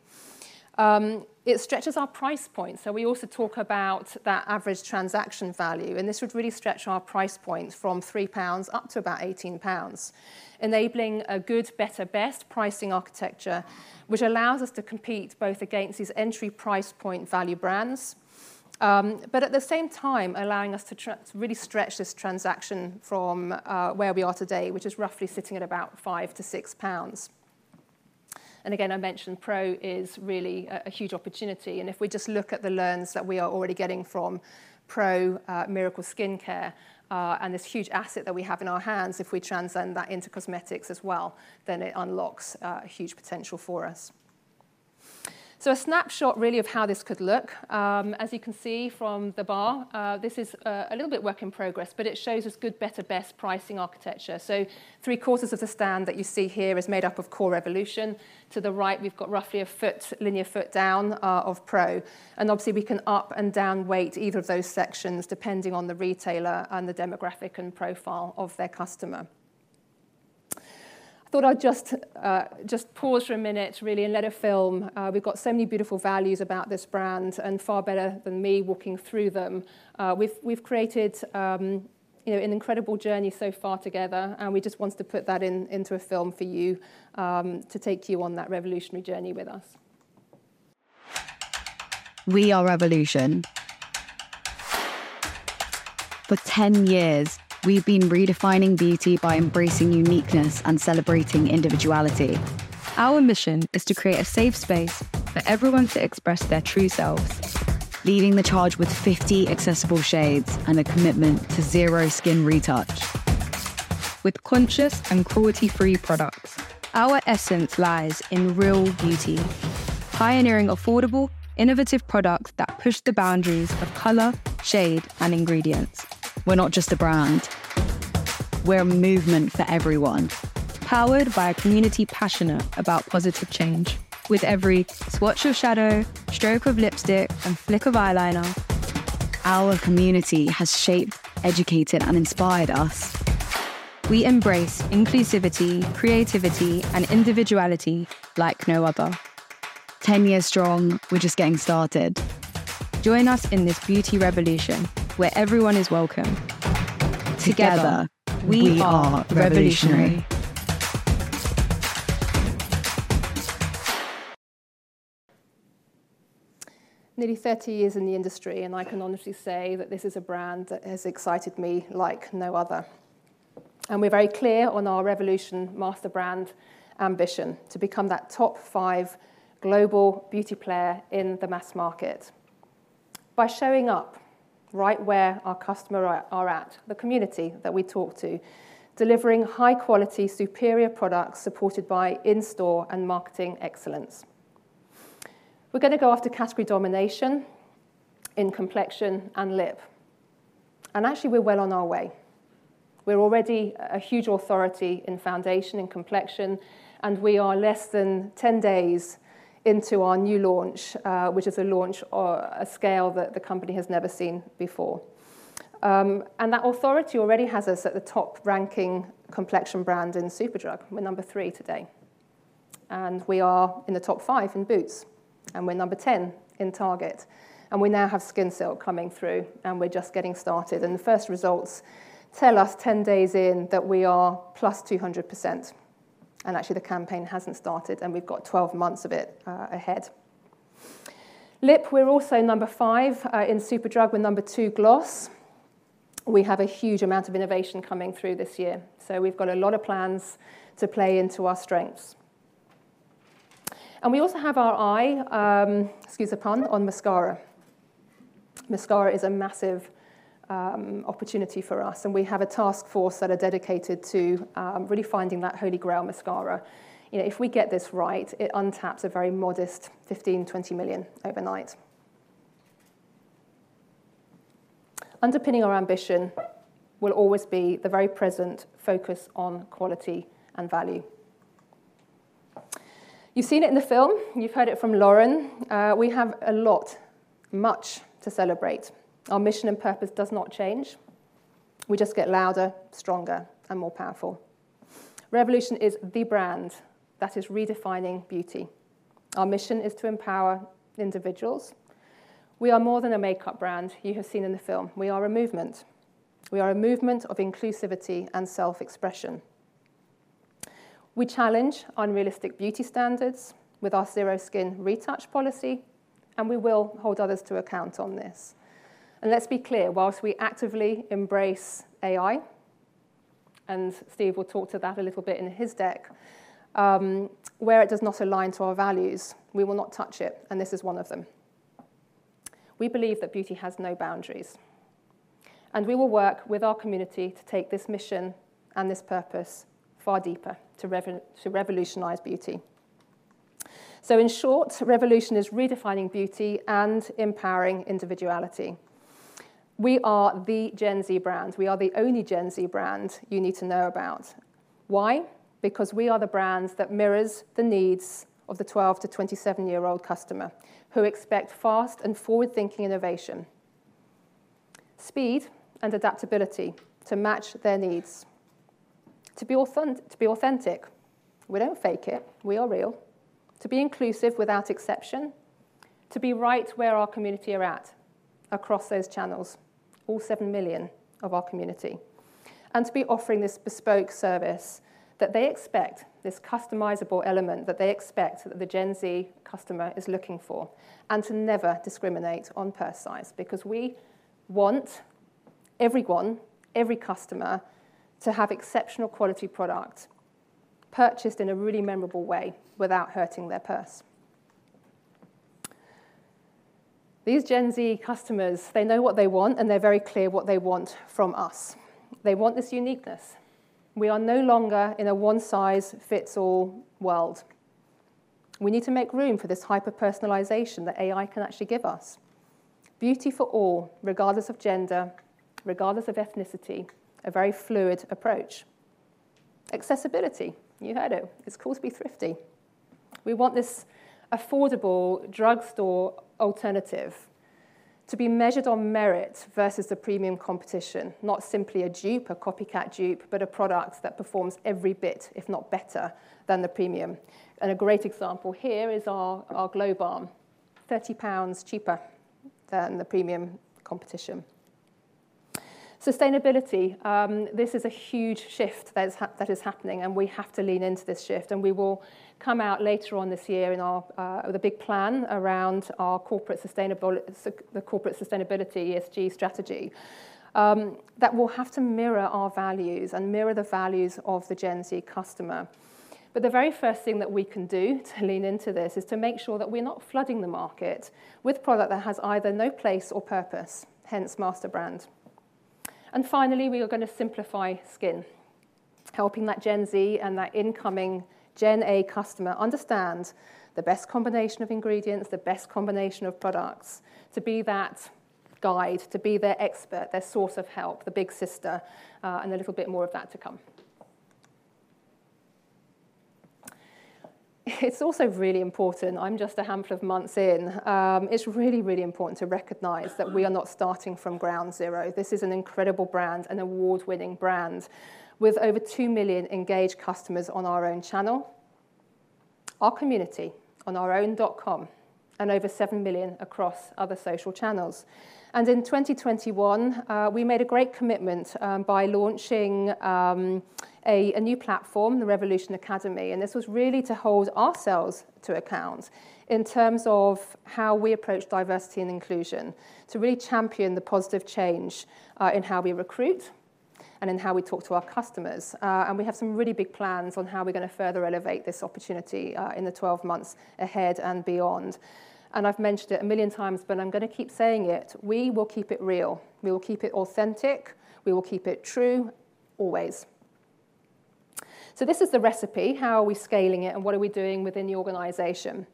It stretches our price point, so we also talk about that average transaction value, and this would really stretch our price point from 3 pounds up to about 18 pounds, enabling a Good, Better, Best Pricing Architecture, which allows us to compete both against these entry price point value brands, but at the same time, allowing us to to really stretch this transaction from where we are today, which is roughly sitting at about 5-6 pounds. Again, I mentioned Pro is really a huge opportunity, and if we just look at the learns that we are already getting from Pro, Miracle Skincare, and this huge asset that we have in our hands, if we transcend that into cosmetics as well, then it unlocks a huge potential for us. A snapshot really of how this could look. As you can see from the bar, this is a little bit work in progress, but it shows us Good, Better, Best pricing architecture. Three-quarters of the stand that you see here is made up of core Revolution. To the right, we've got roughly a foot, linear foot down, of Pro, and obviously we can up and down weight either of those sections, depending on the retailer and the demographic and profile of their customer. I thought I'd just pause for a minute really and let a film. We've got so many beautiful values about this brand, and far better than me walking through them, we've created, you know, an incredible journey so far together, and we just wanted to put that in, into a film for you, to take you on that revolutionary journey with us. We are Revolution. For 10 years, we've been redefining beauty by embracing uniqueness and celebrating individuality. Our mission is to create a safe space for everyone to express their true selves, leading the charge with 50 accessible shades and a commitment to zero skin retouch. With conscious and cruelty-free products, our essence lies in real beauty, pioneering affordable, innovative products that push the boundaries of color, shade, and ingredients. We're not just a brand, we're a movement for everyone, powered by a community passionate about positive change. With every swatch of shadow, stroke of lipstick, and flick of eyeliner, our community has shaped, educated, and inspired us. We embrace inclusivity, creativity, and individuality like no other. 10 years strong, we're just getting started. Join us in this beauty revolution, where everyone is welcome. Together, we are revolutionary. Nearly 30 years in the industry, and I can honestly say that this is a brand that has excited me like no other. We're very clear on our Revolution master brand ambition, to become that top five global beauty player in the mass market. By showing up right where our customer are at, the community that we talk to, delivering high quality, superior products supported by in-store and marketing excellence. We're gonna go after category domination in complexion and lip, and actually, we're well on our way. We're already a huge authority in foundation and complexion, and we are less than 10 days into our new launch, which is a launch or a scale that the company has never seen before. That authority already has us at the top-ranking complexion brand in Superdrug. We're number three today, and we are in the top five in Boots, and we're number 10 in Target, and we now have Skin Silk coming through, and we're just getting started. And the first results tell us 10 days in that we are +200%, and actually the campaign hasn't started, and we've got 12 months of it ahead. Lip, we're also number five. In Superdrug, we're number two gloss. We have a huge amount of innovation coming through this year. So we've got a lot of plans to play into our strengths. And we also have our eye, excuse the pun, on mascara. Mascara is a massive opportunity for us, and we have a task force that are dedicated to really finding that Holy Grail mascara. You know, if we get this right, it untaps a very modest 15-20 million overnight. Underpinning our ambition will always be the very present focus on quality and value. You've seen it in the film, you've heard it from Lauren, we have a lot, much to celebrate. Our mission and purpose does not change. We just get louder, stronger, and more powerful. Revolution is the brand that is redefining beauty. Our mission is to empower individuals. We are more than a makeup brand. You have seen in the film, we are a movement. We are a movement of inclusivity and self-expression. We challenge unrealistic beauty standards with our zero skin retouch policy, and we will hold others to account on this. And let's be clear, while we actively embrace AI, and Steve will talk to that a little bit in his deck, where it does not align to our values, we will not touch it, and this is one of them. We believe that beauty has no boundaries, and we will work with our community to take this mission and this purpose far deeper, to revolutionize beauty. So in short, Revolution is redefining beauty and empowering individuality. We are the Gen Z brand. We are the only Gen Z brand you need to know about. Why? Because we are the brand that mirrors the needs of the 12-27 year-old customer, who expect fast and forward-thinking innovation, speed, and adaptability to match their needs. To be authentic, we don't fake it, we are real. To be inclusive without exception, to be right where our community are at across those channels, all 7 million of our community. To be offering this bespoke service that they expect, this customizable element that they expect, that the Gen Z customer is looking for, and to never discriminate on purse size, because we want everyone, every customer, to have exceptional quality product purchased in a really memorable way without hurting their purse. These Gen Z customers, they know what they want, and they're very clear what they want from us. They want this uniqueness. We are no longer in a one-size-fits-all world. We need to make room for this hyper-personalization that AI can actually give us. Beauty for all, regardless of gender, regardless of ethnicity, a very fluid approach. Accessibility, you heard it, it's cool to be thrifty. We want this affordable drugstore alternative to be measured on merit versus the premium competition. Not simply a dupe, a copycat dupe, but a product that performs every bit, if not better, than the premium. A great example here is our Glow Balm, 30 pounds cheaper than the premium competition. Sustainability, this is a huge shift that is happening, and we have to lean into this shift, and we will come out later on this year with a big plan around our corporate sustainability ESG strategy, that will have to mirror our values and mirror the values of the Gen Z customer. But the very first thing that we can do to lean into this is to make sure that we're not flooding the market with product that has either no place or purpose, hence master brand. Finally, we are gonna simplify skin, helping that Gen Z and that incoming Gen A customer understand the best combination of ingredients, the best combination of products, to be that guide, to be their expert, their source of help, the big sister, and a little bit more of that to come. It's also really important, I'm just a handful of months in, it's really, really important to recognize that we are not starting from ground zero. This is an incredible brand, an award-winning brand, with over 2 million engaged customers on our own channel, our community on our own dot com, and over 7 million across other social channels. And in 2021, we made a great commitment by launching a new platform, the Revolution Academy, and this was really to hold ourselves to account in terms of how we approach diversity and inclusion, to really champion the positive change in how we recruit and in how we talk to our customers. And we have some really big plans on how we're gonna further elevate this opportunity in the 12 months ahead and beyond. And I've mentioned it a million times, but I'm gonna keep saying it: we will keep it real, we will keep it authentic, we will keep it true, always. So this is the recipe. How are we scaling it, and what are we doing within the organization?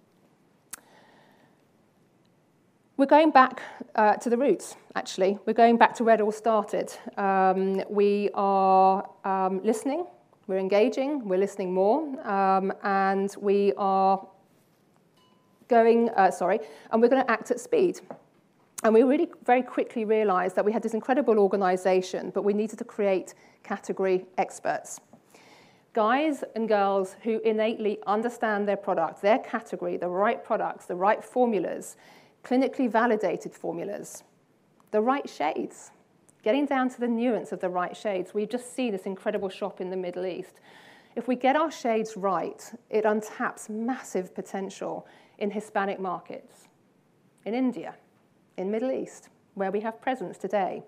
We're going back to the roots, actually. We're going back to where it all started. We are listening, we're engaging, we're listening more, and we're gonna act at speed. We really very quickly realized that we had this incredible organization, but we needed to create category experts, guys and girls who innately understand their product, their category, the right products, the right formulas, clinically validated formulas. The right shades, getting down to the nuance of the right shades. We've just seen this incredible shop in the Middle East. If we get our shades right, it untaps massive potential in Hispanic markets, in India, in Middle East, where we have presence today.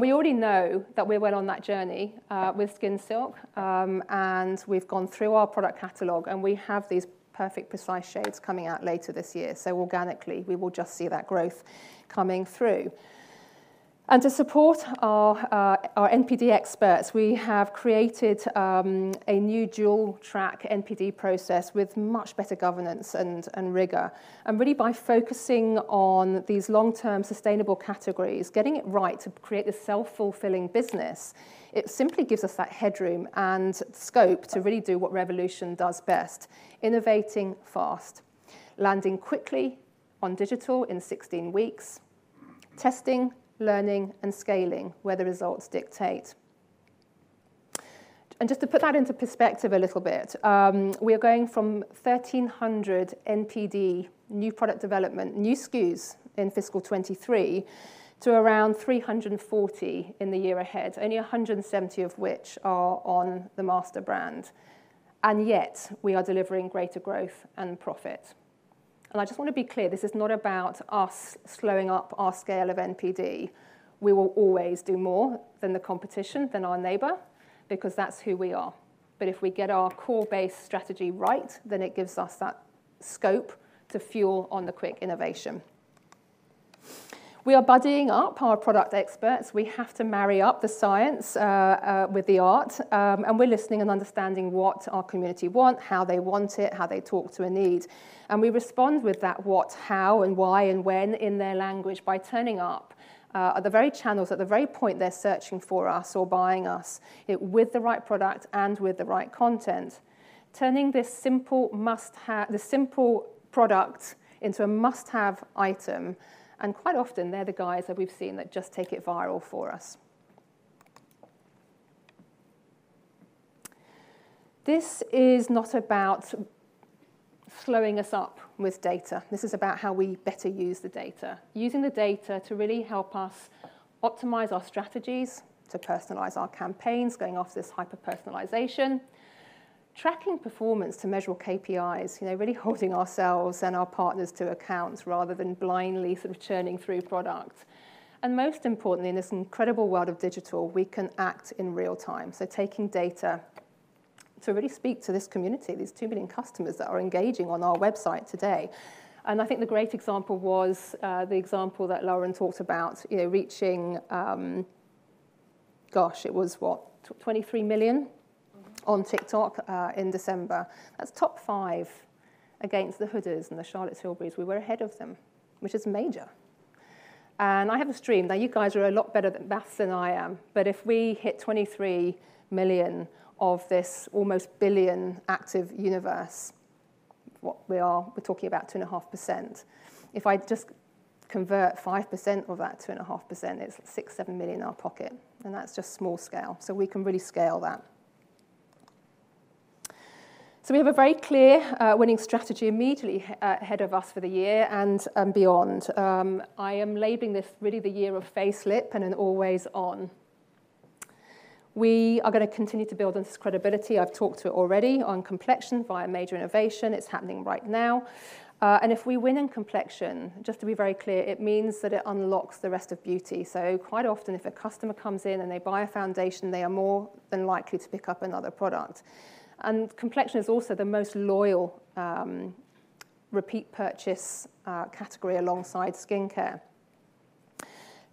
We already know that we're well on that journey with Skin Silk, and we've gone through our product catalog, and we have these perfect, precise shades coming out later this year. Organically, we will just see that growth coming through. To support our NPD experts, we have created a new dual-track NPD process with much better governance and rigor. Really, by focusing on these long-term sustainable categories, getting it right to create a self-fulfilling business, it simply gives us that headroom and scope to really do what Revolution does best: innovating fast, landing quickly on digital in 16 weeks, testing, learning, and scaling where the results dictate. Just to put that into perspective a little bit, we are going from 1,300 NPD, new product development, new SKUs in fiscal 2023, to around 340 in the year ahead, only 170 of which are on the master brand, and yet we are delivering greater growth and profit. I just want to be clear, this is not about us slowing up our scale of NPD. We will always do more than the competition, than our neighbor, because that's who we are. But if we get our core base strategy right, then it gives us that scope to fuel on the quick innovation. We are buddying up our product experts. We have to marry up the science with the art, and we're listening and understanding what our community want, how they want it, how they talk to a need. And we respond with that what, how, and why, and when in their language by turning up at the very channels, at the very point they're searching for us or buying us with the right product and with the right content, turning this simple must-have, the simple product, into a must-have item, and quite often, they're the guys that we've seen that just take it viral for us. This is not about slowing us up with data. This is about how we better use the data. Using the data to really help us optimize our strategies, to personalize our campaigns, going after this hyper-personalization, tracking performance to measure KPIs, you know, really holding ourselves and our partners to account rather than blindly sort of churning through products. And most importantly, in this incredible world of digital, we can act in real time. So taking data to really speak to this community, these 2 million customers that are engaging on our website today. And I think the great example was, the example that Lauren talked about, you know, reaching, gosh, it was what? 23 million on TikTok, in December. That's top five against the Huda's and the Charlotte Tilbury's. We were ahead of them, which is major. And I have a dream. Now, you guys are a lot better at math than I am, but if we hit 23 million of this almost billion active universe, what we are, we're talking about 2.5%. If I just convert 5% of that 2.5%, it's 6 million-7 million in our pocket, and that's just small scale, so we can really scale that. So we have a very clear winning strategy immediately ahead of us for the year and beyond. I am labeling this really the year of face lip and an always on. We are gonna continue to build on this credibility. I've talked to it already on complexion via major innovation. It's happening right now. And if we win in complexion, just to be very clear, it means that it unlocks the rest of beauty. Quite often, if a customer comes in and they buy a foundation, they are more than likely to pick up another product. Complexion is also the most loyal repeat purchase category alongside skincare.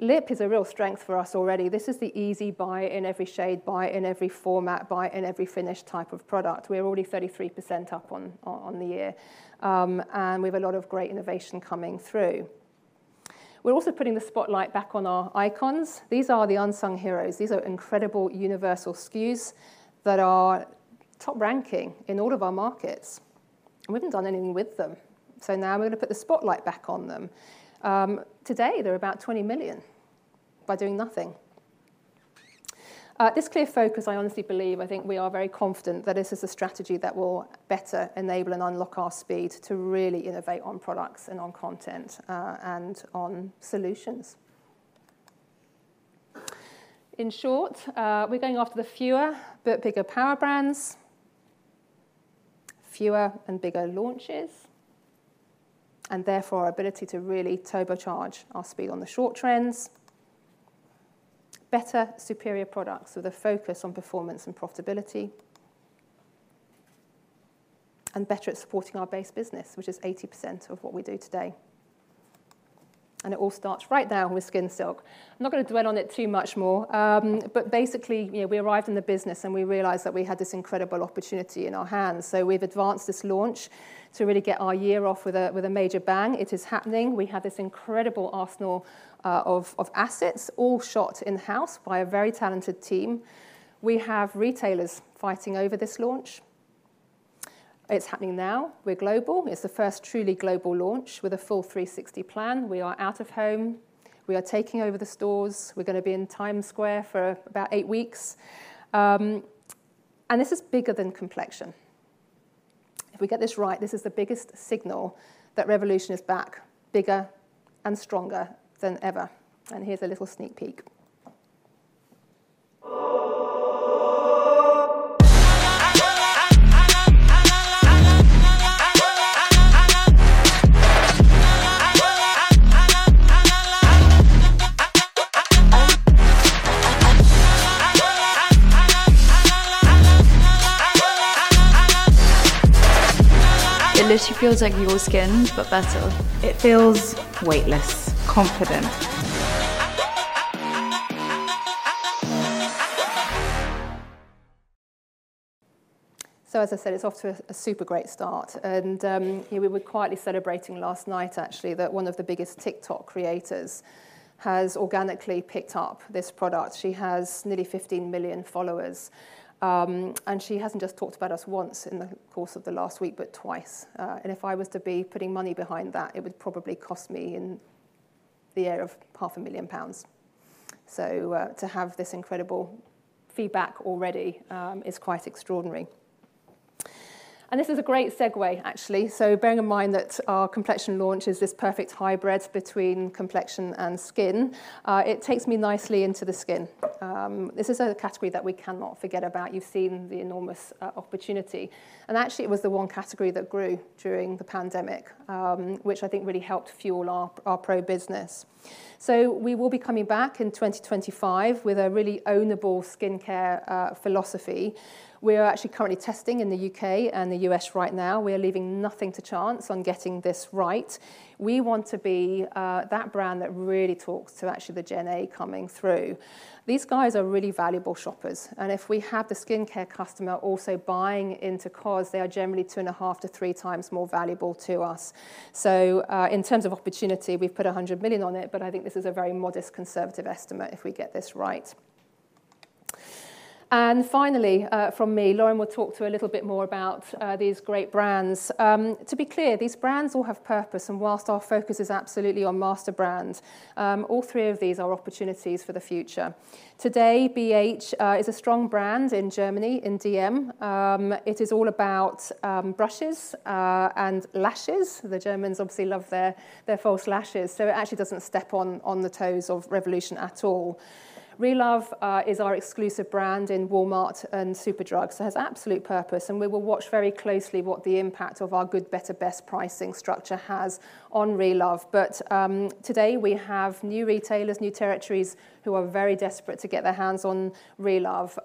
Lip is a real strength for us already. This is the easy buy in every shade, buy in every format, buy in every finish type of product. We're already 33% up on the year, and we have a lot of great innovation coming through. We're also putting the spotlight back on our icons. These are the unsung heroes. These are incredible universal SKUs that are top ranking in all of our markets. We haven't done anything with them, so now we're going to put the spotlight back on them. Today, they're about 20 million by doing nothing. This clear focus, I honestly believe, I think we are very confident that this is a strategy that will better enable and unlock our speed to really innovate on products and on content, and on solutions. In short, we're going after the fewer but bigger power brands, fewer and bigger launches, and therefore, our ability to really turbocharge our speed on the short trends, better, superior products with a focus on performance and profitability, and better at supporting our base business, which is 80% of what we do today. And it all starts right now with Skin Silk. I'm not going to dwell on it too much more, but basically, you know, we arrived in the business, and we realized that we had this incredible opportunity in our hands. So we've advanced this launch to really get our year off with a major bang. It is happening. We have this incredible arsenal of assets, all shot in-house by a very talented team. We have retailers fighting over this launch. It's happening now. We're global. It's the first truly global launch with a full 360 plan. We are out of home. We are taking over the stores. We're gonna be in Times Square for about eight weeks. And this is bigger than complexion. If we get this right, this is the biggest signal that Revolution is back, bigger and stronger than ever. And here's a little sneak peek. It literally feels like your skin, but better. It feels weightless. Confident. So as I said, it's off to a super great start. And we were quietly celebrating last night, actually, that one of the biggest TikTok creators has organically picked up this product. She has nearly 15 million followers. And she hasn't just talked about us once in the course of the last week, but twice. And if I was to be putting money behind that, it would probably cost me in the area of 500,000 pounds. So to have this incredible feedback already is quite extraordinary. And this is a great segue, actually. So bearing in mind that our complexion launch is this perfect hybrid between complexion and skin, it takes me nicely into the skin. This is a category that we cannot forget about. You've seen the enormous opportunity, and actually, it was the one category that grew during the pandemic, which I think really helped fuel our pro business. So we will be coming back in 2025 with a really ownable skincare philosophy. We're actually currently testing in the U.K. and the U.S. right now. We are leaving nothing to chance on getting this right. We want to be that brand that really talks to actually the Gen A coming through. These guys are really valuable shoppers, and if we have the skincare customer also buying into Cos, they are generally 2.5-3x more valuable to us. So, in terms of opportunity, we've put 100 million on it, but I think this is a very modest, conservative estimate if we get this right. And finally, from me, Lauren will talk to you a little bit more about these great brands. To be clear, these brands all have purpose, and while our focus is absolutely on master brand, all three of these are opportunities for the future. Today, BH is a strong brand in Germany, in DM. It is all about brushes and lashes. The Germans obviously love their false lashes, so it actually doesn't step on the toes of Revolution at all. Relove is our exclusive brand in Walmart and Superdrug, so it has absolute purpose, and we will watch very closely what the impact of our good, better, best pricing structure has on Relove. But today we have new retailers, new territories, who are very desperate to get their hands on Relove,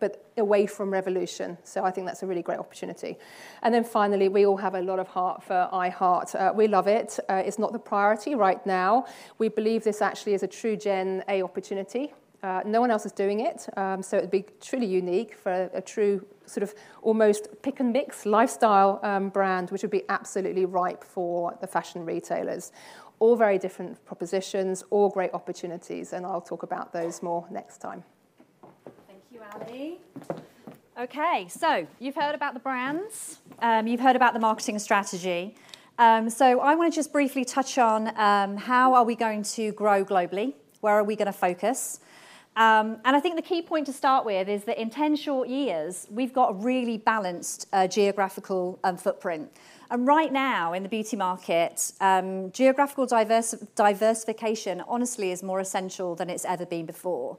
but away from Revolution. So I think that's a really great opportunity. And then finally, we all have a lot of heart for I Heart. We love it. It's not the priority right now. We believe this actually is a true Gen A opportunity. No one else is doing it, so it'd be truly unique for a true sort of almost pick and mix lifestyle brand, which would be absolutely ripe for the fashion retailers. All very different propositions, all great opportunities, and I'll talk about those more next time. Thank you, Ali. Okay, so you've heard about the brands, you've heard about the marketing strategy. So I want to just briefly touch on how are we going to grow globally? Where are we going to focus? And I think the key point to start with is that in 10 short years, we've got a really balanced geographical footprint. And right now, in the beauty market, geographical diversification honestly is more essential than it's ever been before.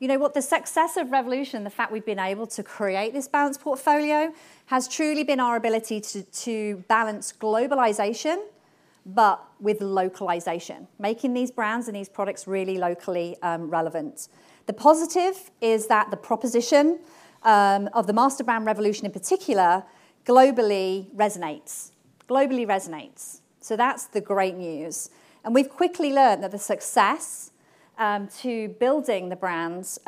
You know what? The success of Revolution, the fact we've been able to create this balanced portfolio, has truly been our ability to balance globalization, but with localization, making these brands and these products really locally relevant. The positive is that the proposition of the master brand, Revolution in particular, globally resonates. Globally resonates. So that's the great news. We've quickly learned that the success to building the brands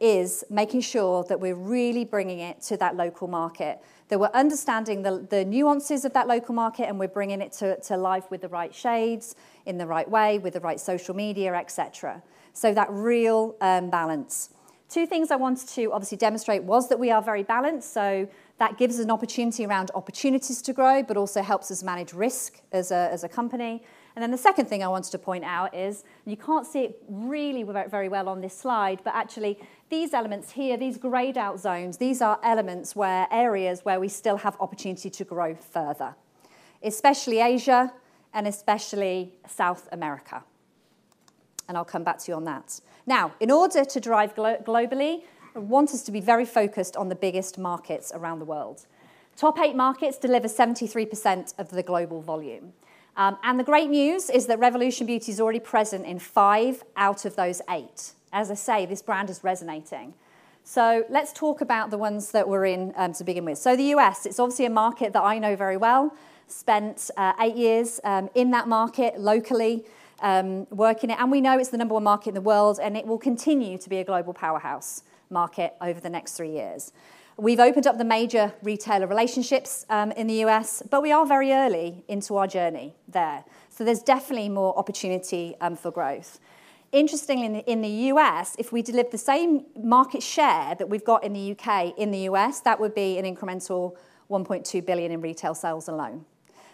is making sure that we're really bringing it to that local market, that we're understanding the nuances of that local market, and we're bringing it to life with the right shades, in the right way, with the right social media, et cetera. So that real balance. Two things I wanted to obviously demonstrate was that we are very balanced, so that gives us an opportunity around opportunities to grow, but also helps us manage risk as a company. And then the second thing I wanted to point out is, and you can't see it really very well on this slide, but actually these elements here, these grayed-out zones, these are elements where areas where we still have opportunity to grow further, especially Asia and especially South America, and I'll come back to you on that. Now, in order to drive globally, I want us to be very focused on the biggest markets around the world. Top eight markets deliver 73% of the global volume. And the great news is that Revolution Beauty is already present in five out of those eight. As I say, this brand is resonating. So let's talk about the ones that we're in, to begin with. So the U.S., it's obviously a market that I know very well. Spent eight years in that market locally, working it. We know it's the number one market in the world, and it will continue to be a global powerhouse market over the next three years. We've opened up the major retailer relationships in the U.S., but we are very early into our journey there, so there's definitely more opportunity for growth. Interestingly, in the, in the U.S., if we deliver the same market share that we've got in the U.K., in the U.S., that would be an incremental $1.2 billion in retail sales alone.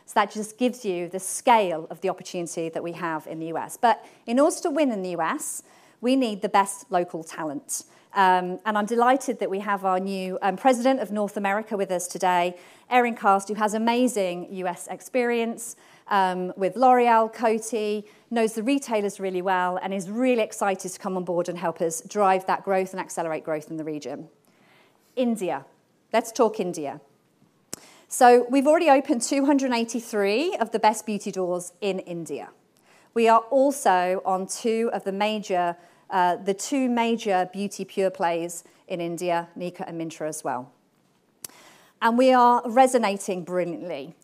So that just gives you the scale of the opportunity that we have in the U.S. But in order to win in the U.S., we need the best local talent. And I'm delighted that we have our new President of North America with us today, Erin Cast, who has amazing U.S. experience with L'Oréal, Coty, knows the retailers really well, and is really excited to come on board and help us drive that growth and accelerate growth in the region. India. Let's talk India. So we've already opened 283 of the Best Beauty doors in India. We are also on two of the major, the two major beauty pure plays in India, Nykaa and Myntra as well. And we are resonating brilliantly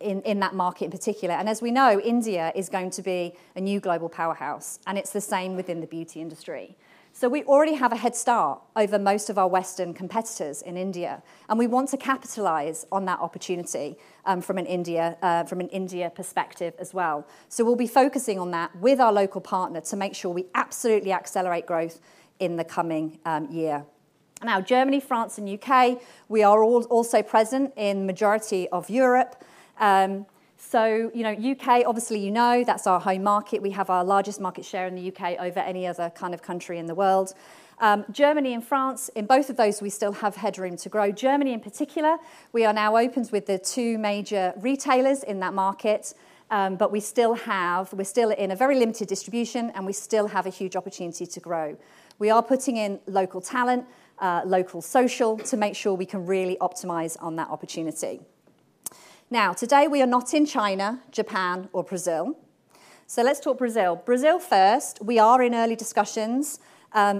in that market in particular. And as we know, India is going to be a new global powerhouse, and it's the same within the beauty industry. So we already have a head start over most of our Western competitors in India, and we want to capitalize on that opportunity, from an India perspective as well. So we'll be focusing on that with our local partner to make sure we absolutely accelerate growth in the coming year. Now, Germany, France, and U.K., we are also present in majority of Europe. So, you know, U.K., obviously, you know, that's our home market. We have our largest market share in the U.K. over any other kind of country in the world. Germany and France, in both of those, we still have headroom to grow. Germany in particular, we are now open with the two major retailers in that market, but we still have. We're still in a very limited distribution, and we still have a huge opportunity to grow. We are putting in local talent, local social, to make sure we can really optimize on that opportunity. Now, today, we are not in China, Japan, or Brazil. So let's talk Brazil. Brazil first, we are in early discussions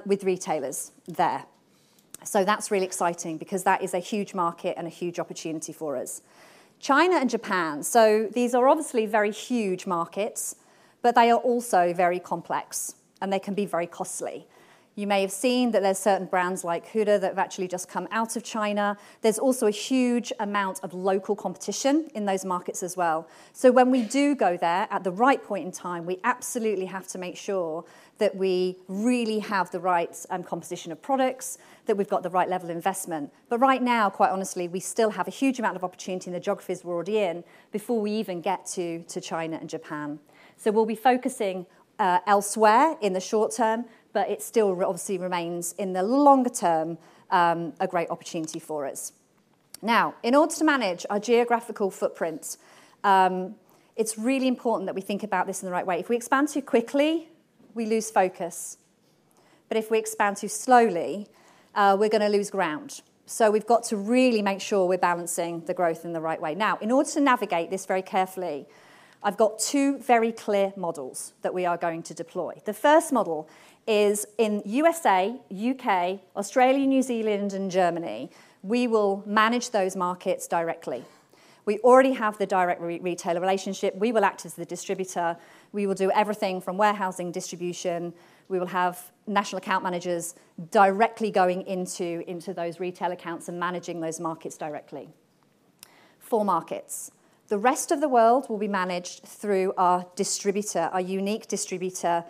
with retailers there. So that's really exciting because that is a huge market and a huge opportunity for us. China and Japan, so these are obviously very huge markets, but they are also very complex, and they can be very costly. You may have seen that there are certain brands like Huda that have actually just come out of China. There's also a huge amount of local competition in those markets as well. So when we do go there at the right point in time, we absolutely have to make sure that we really have the right composition of products, that we've got the right level of investment. But right now, quite honestly, we still have a huge amount of opportunity in the geographies we're already in before we even get to China and Japan. So we'll be focusing elsewhere in the short term, but it still obviously remains, in the longer term, a great opportunity for us. Now, in order to manage our geographical footprints, it's really important that we think about this in the right way. If we expand too quickly, we lose focus, but if we expand too slowly, we're gonna lose ground. So we've got to really make sure we're balancing the growth in the right way. Now, in order to navigate this very carefully, I've got two very clear models that we are going to deploy. The first model is in U.S., U.K., Australia, New Zealand, and Germany. We will manage those markets directly. We already have the direct retailer relationship. We will act as the distributor. We will do everything from warehousing, distribution. We will have national account managers directly going into those retail accounts and managing those markets directly. Four markets. The rest of the world will be managed through our distributor, our unique distributor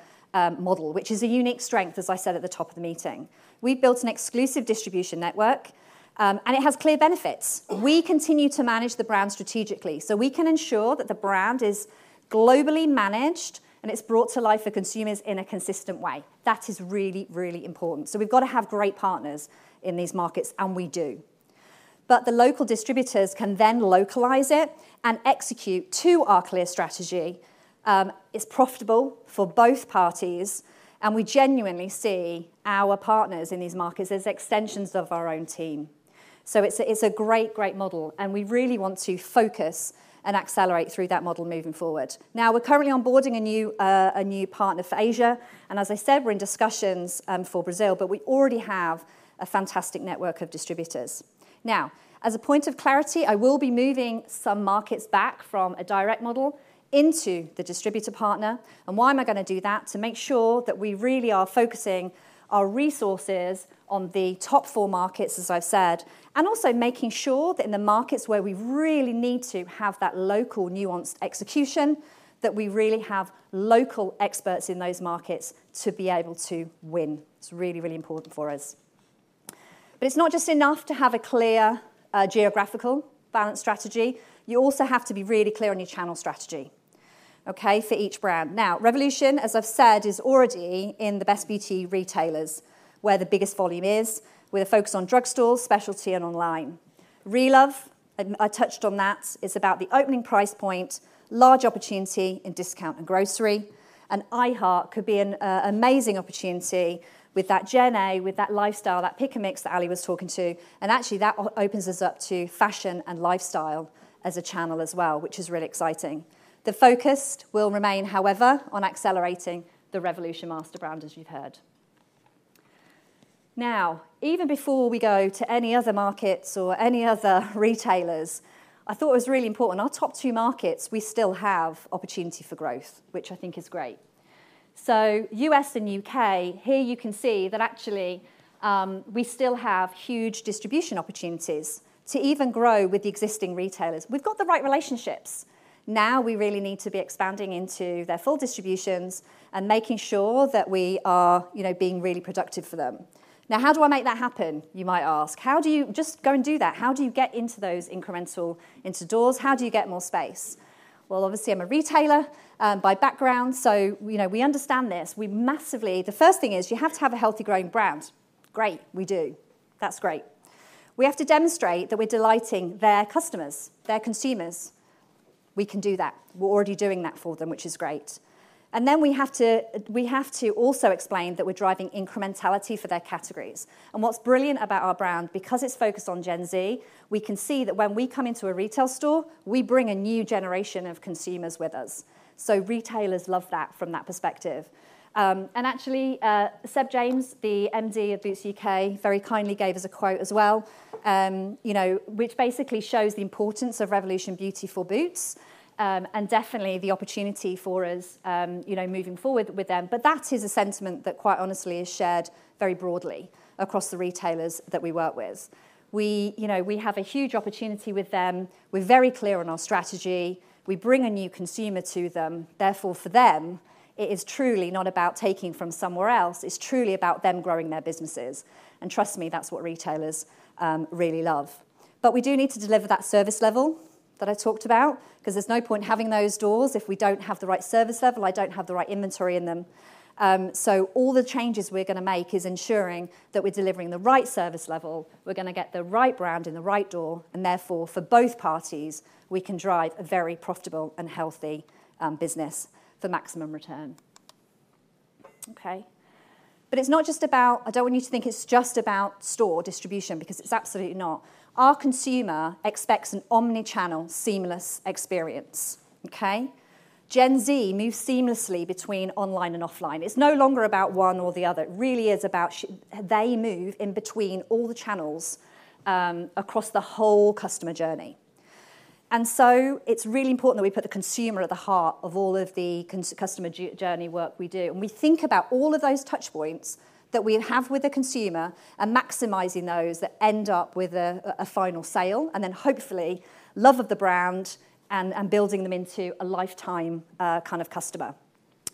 model, which is a unique strength, as I said at the top of the meeting. We've built an exclusive distribution network, and it has clear benefits. We continue to manage the brand strategically, so we can ensure that the brand is globally managed, and it's brought to life for consumers in a consistent way. That is really, really important. So we've got to have great partners in these markets, and we do. But the local distributors can then localize it and execute to our clear strategy. It's profitable for both parties, and we genuinely see our partners in these markets as extensions of our own team. So it's a, it's a great, great model, and we really want to focus and accelerate through that model moving forward. Now, we're currently onboarding a new, a new partner for Asia, and as I said, we're in discussions, for Brazil, but we already have a fantastic network of distributors. Now, as a point of clarity, I will be moving some markets back from a direct model into the distributor partner. And why am I gonna do that? To make sure that we really are focusing our resources on the top four markets, as I've said, and also making sure that in the markets where we really need to have that local nuanced execution, that we really have local experts in those markets to be able to win. It's really, really important for us. But it's not just enough to have a clear geographical balance strategy. You also have to be really clear on your channel strategy, okay, for each brand. Now, Revolution, as I've said, is already in the Best Beauty retailers, where the biggest volume is, with a focus on drugstore, specialty, and online. Relove, and I touched on that, is about the opening price point, large opportunity in discount and grocery. I Heart could be an amazing opportunity with that journey, with that lifestyle, that pick and mix that Ali was talking to, and actually, that opens us up to fashion and lifestyle as a channel as well, which is really exciting. The focus will remain, however, on accelerating the Revolution master brand, as you've heard. Now, even before we go to any other markets or any other retailers, I thought it was really important, our top two markets, we still have opportunity for growth, which I think is great. So U.S. and U.., here you can see that actually, we still have huge distribution opportunities to even grow with the existing retailers. We've got the right relationships. Now, we really need to be expanding into their full distributions and making sure that we are, you know, being really productive for them. Now, how do I make that happen? You might ask. How do you just go and do that? How do you get into those incremental, into doors? How do you get more space? Well, obviously, I'm a retailer by background, so, you know, we understand this. The first thing is you have to have a healthy, growing brand. Great, we do. That's great. We have to demonstrate that we're delighting their customers, their consumers. We can do that. We're already doing that for them, which is great. And then we have to, we have to also explain that we're driving incrementality for their categories. And what's brilliant about our brand, because it's focused on Gen Z, we can see that when we come into a retail store, we bring a new generation of consumers with us. So retailers love that from that perspective. And actually, Seb James, the MD of Boots U.K., very kindly gave us a quote as well, you know, which basically shows the importance of Revolution Beauty for Boots, and definitely the opportunity for us, you know, moving forward with them. But that is a sentiment that, quite honestly, is shared very broadly across the retailers that we work with. We, you know, we have a huge opportunity with them. We're very clear on our strategy. We bring a new consumer to them. Therefore, for them, it is truly not about taking from somewhere else, it's truly about them growing their businesses. And trust me, that's what retailers really love. But we do need to deliver that service level that I talked about, 'cause there's no point having those doors if we don't have the right service level. I don't have the right inventory in them. So all the changes we're gonna make is ensuring that we're delivering the right service level. We're gonna get the right brand in the right door, and therefore, for both parties, we can drive a very profitable and healthy business for maximum return. Okay, but it's not just about, I don't want you to think it's just about store distribution, because it's absolutely not. Our consumer expects an omni-channel, seamless experience. Okay? Gen Z moves seamlessly between online and offline. It's no longer about one or the other. It really is about they move in between all the channels across the whole customer journey. And so it's really important that we put the consumer at the heart of all of the customer journey work we do, and we think about all of those touch points that we have with the consumer and maximizing those that end up with a final sale, and then hopefully love of the brand and building them into a lifetime kind of customer.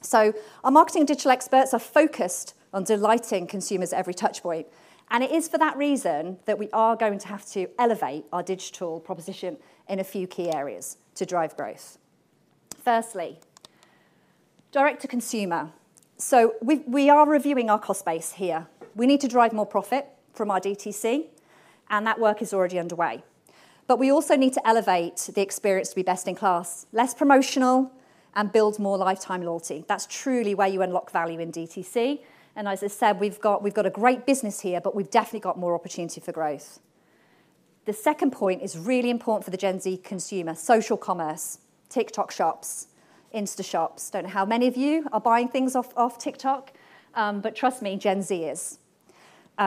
So our marketing and digital experts are focused on delighting consumers at every touch point, and it is for that reason that we are going to have to elevate our digital proposition in a few key areas to drive growth. Firstly, direct to consumer. So we are reviewing our cost base here. We need to drive more profit from our DTC, and that work is already underway. But we also need to elevate the experience to be best in class, less promotional, and build more lifetime loyalty. That's truly where you unlock value in DTC, and as I said, we've got, we've got a great business here, but we've definitely got more opportunity for growth. The second point is really important for the Gen Z consumer: social commerce, TikTok shops, Insta shops. Don't know how many of you are buying things off, off TikTok, but trust me, Gen Z is. You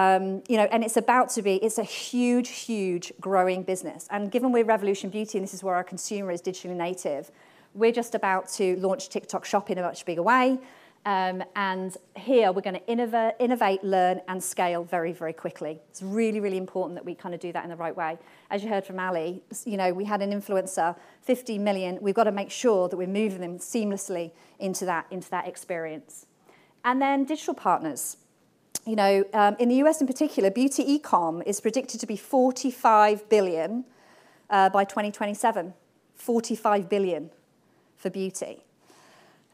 know, and it's about to be. It's a huge, huge growing business, and given we're Revolution Beauty, and this is where our consumer is digitally native, we're just about to launch TikTok shop in a much bigger way. And here we're gonna innovate, learn, and scale very, very quickly. It's really, really important that we kind of do that in the right way. As you heard from Ally, you know, we had an influencer, 50 million. We've got to make sure that we're moving them seamlessly into that, into that experience. And then digital partners. You know, in the U.S. in particular, beauty e-com is predicted to be $45 billion by 2027. $45 billion for beauty.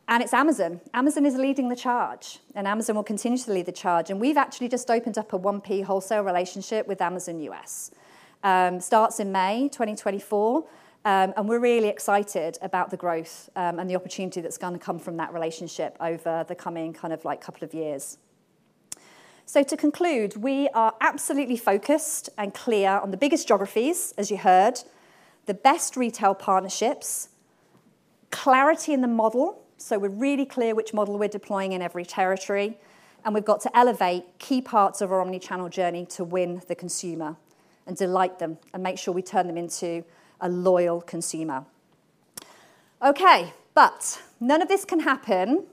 And it's Amazon. Amazon is leading the charge, and Amazon will continue to lead the charge. And we've actually just opened up a 1P wholesale relationship with Amazon U.S. Starts in May 2024, and we're really excited about the growth, and the opportunity that's gonna come from that relationship over the coming kind of, like, couple of years. So to conclude, we are absolutely focused and clear on the biggest geographies, as you heard, the best retail partnerships, clarity in the model, so we're really clear which model we're deploying in every territory, and we've got to elevate key parts of our omni-channel journey to win the consumer and delight them, and make sure we turn them into a loyal consumer. Okay, but none of this can happen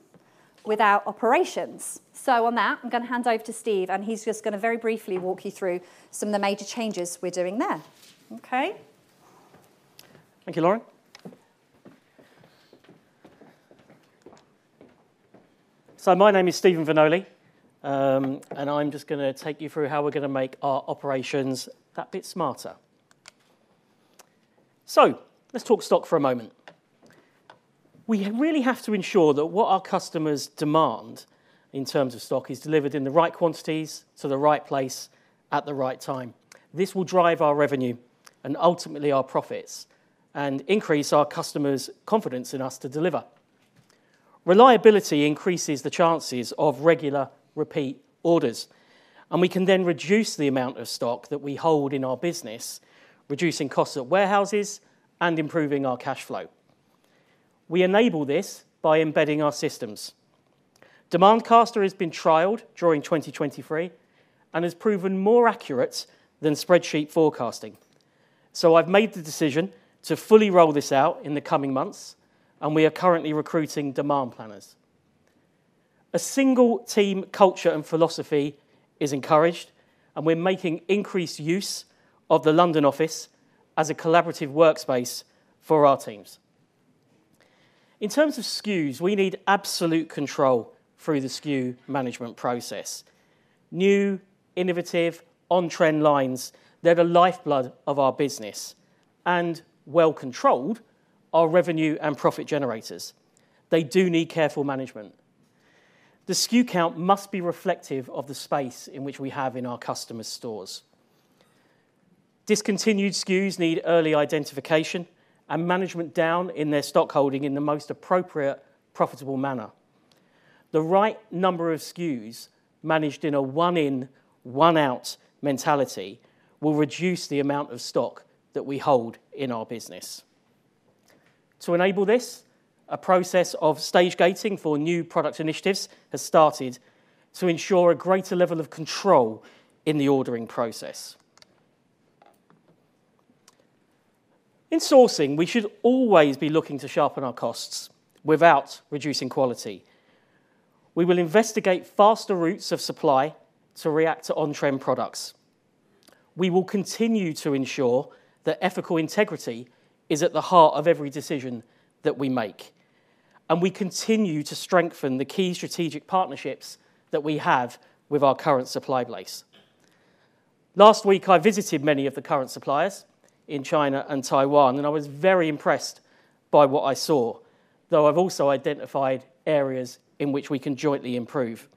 without operations. So on that, I'm gonna hand over to Steve, and he's just gonna very briefly walk you through some of the major changes we're doing there. Okay? Thank you, Lauren. My name is Steven Vanoli, and I'm just gonna take you through how we're gonna make our operations that bit smarter. Let's talk stock for a moment. We really have to ensure that what our customers demand in terms of stock is delivered in the right quantities, to the right place, at the right time. This will drive our revenue and ultimately our profits, and increase our customers' confidence in us to deliver. Reliability increases the chances of regular repeat orders, and we can then reduce the amount of stock that we hold in our business, reducing costs at warehouses and improving our cash flow. We enable this by embedding our systems. DemandCaster has been trialed during 2023 and has proven more accurate than spreadsheet forecasting. So I've made the decision to fully roll this out in the coming months, and we are currently recruiting demand planners. A single team culture and philosophy is encouraged, and we're making increased use of the London office as a collaborative workspace for our teams.... In terms of SKUs, we need absolute control through the SKU management process. New, innovative, on-trend lines, they're the lifeblood of our business, and well controlled, our revenue and profit generators. They do need careful management. The SKU count must be reflective of the space in which we have in our customers' stores. Discontinued SKUs need early identification and management down in their stockholding in the most appropriate, profitable manner. The right number of SKUs managed in a one-in, one-out mentality will reduce the amount of stock that we hold in our business. To enable this, a process of Stage Gating for new product initiatives has started to ensure a greater level of control in the ordering process. In sourcing, we should always be looking to sharpen our costs without reducing quality. We will investigate faster routes of supply to react to on-trend products. We will continue to ensure that ethical integrity is at the heart of every decision that we make, and we continue to strengthen the key strategic partnerships that we have with our current supply base. Last week, I visited many of the current suppliers in China and Taiwan, and I was very impressed by what I saw, though I've also identified areas in which we can jointly improve.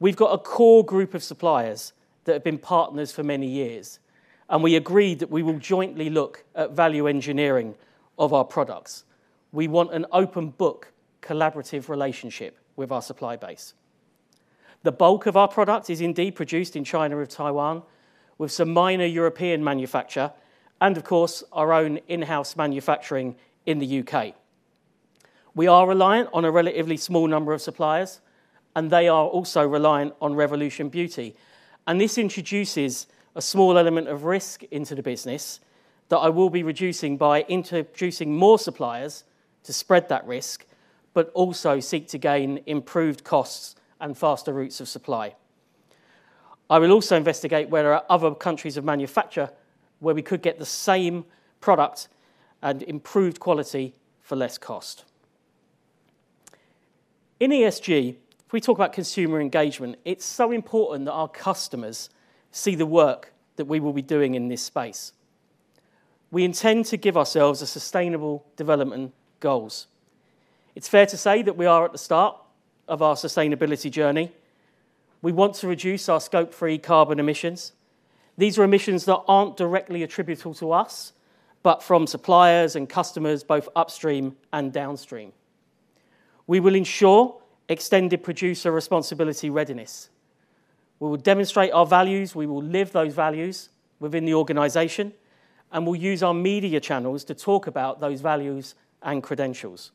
We've got a core group of suppliers that have been partners for many years, and we agreed that we will jointly look at value engineering of our products. We want an open book, collaborative relationship with our supply base. The bulk of our product is indeed produced in China or Taiwan, with some minor European manufacture and, of course, our own in-house manufacturing in the U.K. We are reliant on a relatively small number of suppliers, and they are also reliant on Revolution Beauty, and this introduces a small element of risk into the business that I will be reducing by introducing more suppliers to spread that risk, but also seek to gain improved costs and faster routes of supply. I will also investigate where there are other countries of manufacture where we could get the same product and improved quality for less cost. In ESG, if we talk about consumer engagement, it's so important that our customers see the work that we will be doing in this space. We intend to give ourselves a sustainable development goals. It's fair to say that we are at the start of our sustainability journey. We want to reduce our Scope 3 carbon emissions. These are emissions that aren't directly attributable to us, but from suppliers and customers, both upstream and downstream. We will ensure extended producer responsibility readiness. We will demonstrate our values, we will live those values within the organization, and we'll use our media channels to talk about those values and credentials.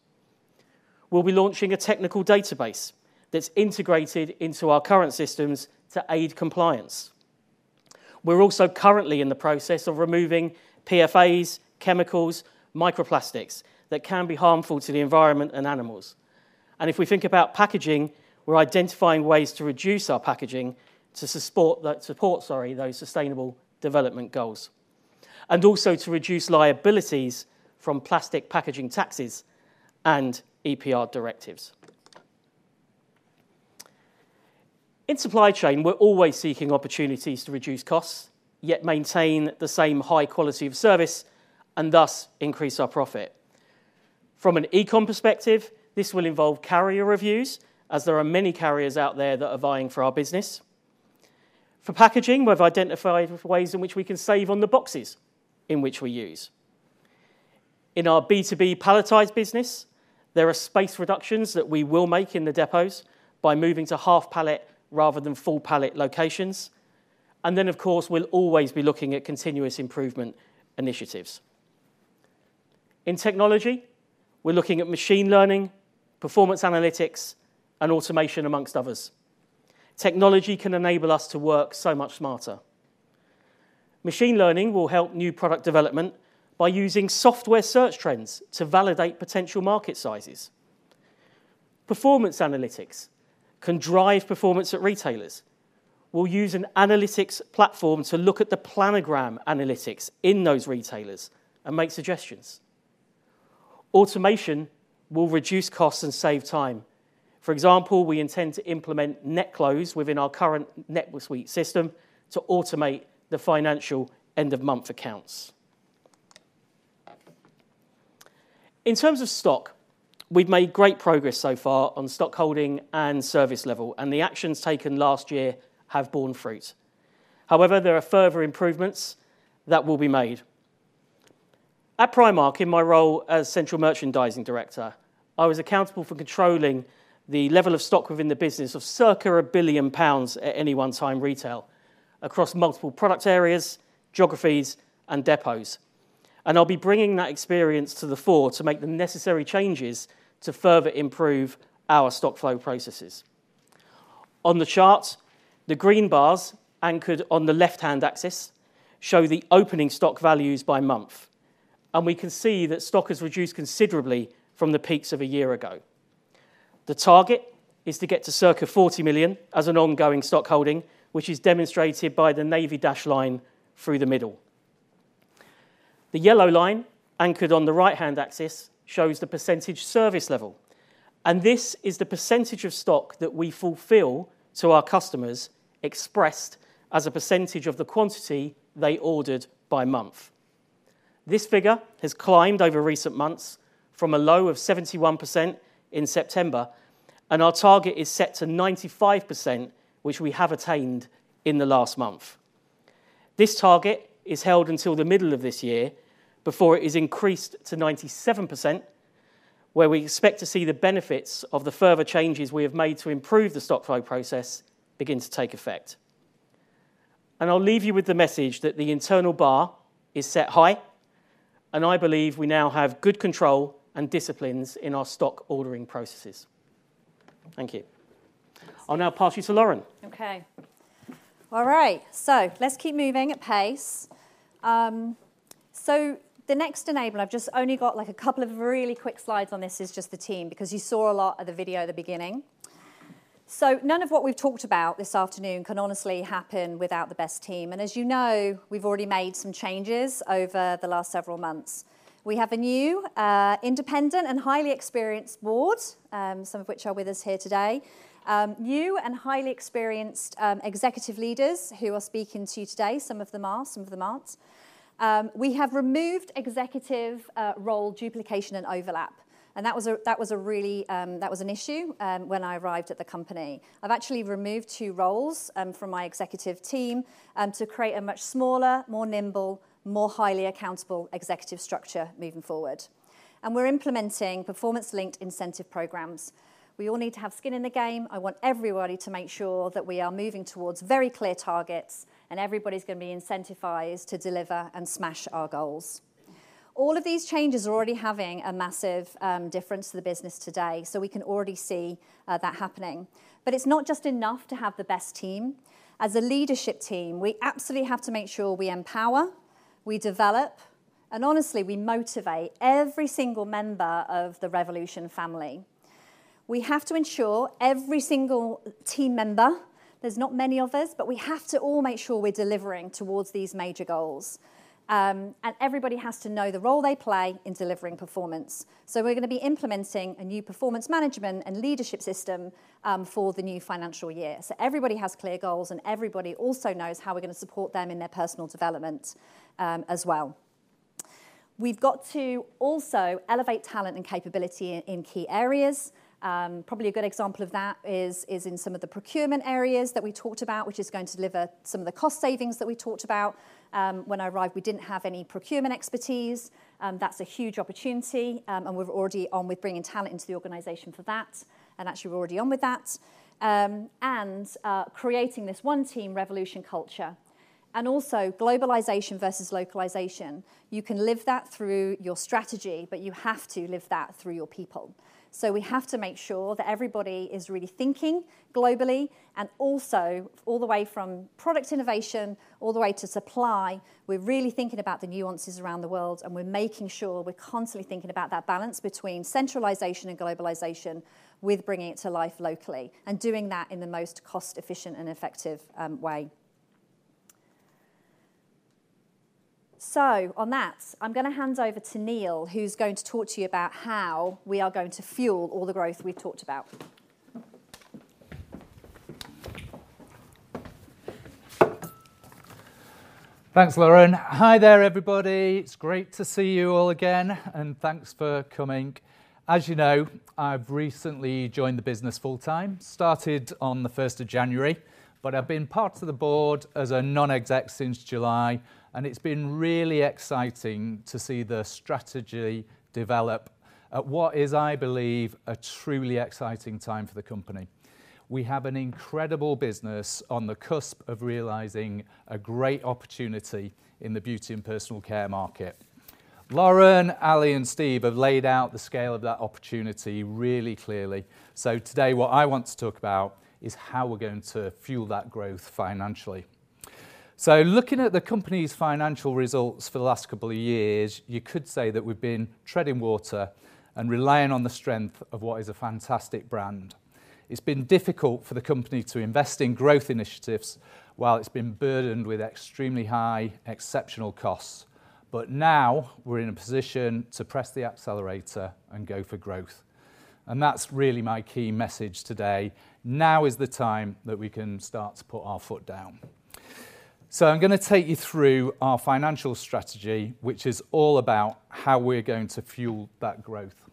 We'll be launching a technical database that's integrated into our current systems to aid compliance. We're also currently in the process of removing PFAS, chemicals, microplastics that can be harmful to the environment and animals. If we think about packaging, we're identifying ways to reduce our packaging to support those sustainable development goals, and also to reduce liabilities from plastic packaging taxes and EPR directives. In supply chain, we're always seeking opportunities to reduce costs, yet maintain the same high quality of service and thus increase our profit. From an e-com perspective, this will involve carrier reviews, as there are many carriers out there that are vying for our business. For packaging, we've identified ways in which we can save on the boxes in which we use. In our B2B palletized business, there are space reductions that we will make in the depots by moving to half pallet rather than full pallet locations. And then, of course, we'll always be looking at continuous improvement initiatives. In technology, we're looking at machine learning, performance analytics, and automation, among others. Technology can enable us to work so much smarter. Machine learning will help new product development by using software search trends to validate potential market sizes. Performance analytics can drive performance at retailers. We'll use an analytics platform to look at the planogram analytics in those retailers and make suggestions. Automation will reduce costs and save time. For example, we intend to implement NetClose within our current NetSuite system to automate the financial end-of-month accounts. In terms of stock, we've made great progress so far on stockholding and service level, and the actions taken last year have borne fruit. However, there are further improvements that will be made. At Primark, in my role as Central Merchandising Director, I was accountable for controlling the level of stock within the business of circa 1 billion pounds at any one time retail, across multiple product areas, geographies, and depots. I'll be bringing that experience to the fore to make the necessary changes to further improve our stock flow processes. On the chart, the green bars anchored on the left-hand axis show the opening stock values by month, and we can see that stock has reduced considerably from the peaks of a year ago. The target is to get to circa 40 million as an ongoing stock holding, which is demonstrated by the navy dashed line through the middle. The yellow line, anchored on the right-hand axis, shows the percentage service level, and this is the percentage of stock that we fulfill to our customers, expressed as a percentage of the quantity they ordered by month. This figure has climbed over recent months from a low of 71% in September, and our target is set to 95%, which we have attained in the last month. This target is held until the middle of this year before it is increased to 97%, where we expect to see the benefits of the further changes we have made to improve the stock flow process begin to take effect. I'll leave you with the message that the internal bar is set high, and I believe we now have good control and disciplines in our stock ordering processes. Thank you. I'll now pass you to Lauren. Okay. All right, so let's keep moving at pace. So the next enabler, I've just only got, like, a couple of really quick slides on this, is just the team, because you saw a lot of the video at the beginning. So none of what we've talked about this afternoon can honestly happen without the best team, and as you know, we've already made some changes over the last several months. We have a new, independent and highly experienced board, some of which are with us here today. New and highly experienced executive leaders who are speaking to you today, some of them are, some of them aren't. We have removed executive role duplication and overlap, and that was a really. That was an issue when I arrived at the company. I've actually removed two roles from my executive team to create a much smaller, more nimble, more highly accountable executive structure moving forward. We're implementing performance-linked incentive programs. We all need to have skin in the game. I want everybody to make sure that we are moving towards very clear targets, and everybody's gonna be incentivized to deliver and smash our goals. All of these changes are already having a massive difference to the business today, so we can already see that happening. It's not just enough to have the best team. As a leadership team, we absolutely have to make sure we empower, we develop, and honestly, we motivate every single member of the Revolution family. We have to ensure every single team member, there's not many of us, but we have to all make sure we're delivering towards these major goals. Everybody has to know the role they play in delivering performance. So we're gonna be implementing a new performance management and leadership system, for the new financial year. So everybody has clear goals, and everybody also knows how we're gonna support them in their personal development, as well. We've got to also elevate talent and capability in key areas. Probably a good example of that is in some of the procurement areas that we talked about, which is going to deliver some of the cost savings that we talked about. When I arrived, we didn't have any procurement expertise. That's a huge opportunity, and we're already on with bringing talent into the organization for that, and actually we're already on with that. And creating this one team Revolution culture, and also globalization versus localization. You can live that through your strategy, but you have to live that through your people. So we have to make sure that everybody is really thinking globally, and also all the way from product innovation, all the way to supply, we're really thinking about the nuances around the world, and we're making sure we're constantly thinking about that balance between centralization and globalization, with bringing it to life locally, and doing that in the most cost-efficient and effective way. So on that, I'm gonna hand over to Neil, who's going to talk to you about how we are going to fuel all the growth we've talked about. Thanks, Lauren. Hi there, everybody. It's great to see you all again, and thanks for coming. As you know, I've recently joined the business full time, started on the 1st of January, but I've been part of the board as a non-exec since July, and it's been really exciting to see the strategy develop at what is, I believe, a truly exciting time for the company. We have an incredible business on the cusp of realizing a great opportunity in the beauty and personal care market. Lauren, Ali, and Steve have laid out the scale of that opportunity really clearly. Today, what I want to talk about is how we're going to fuel that growth financially. Looking at the company's financial results for the last couple of years, you could say that we've been treading water and relying on the strength of what is a fantastic brand. It's been difficult for the company to invest in growth initiatives while it's been burdened with extremely high, exceptional costs. But now we're in a position to press the accelerator and go for growth, and that's really my key message today. Now is the time that we can start to put our foot down. So I'm gonna take you through our financial strategy, which is all about how we're going to fuel that growth.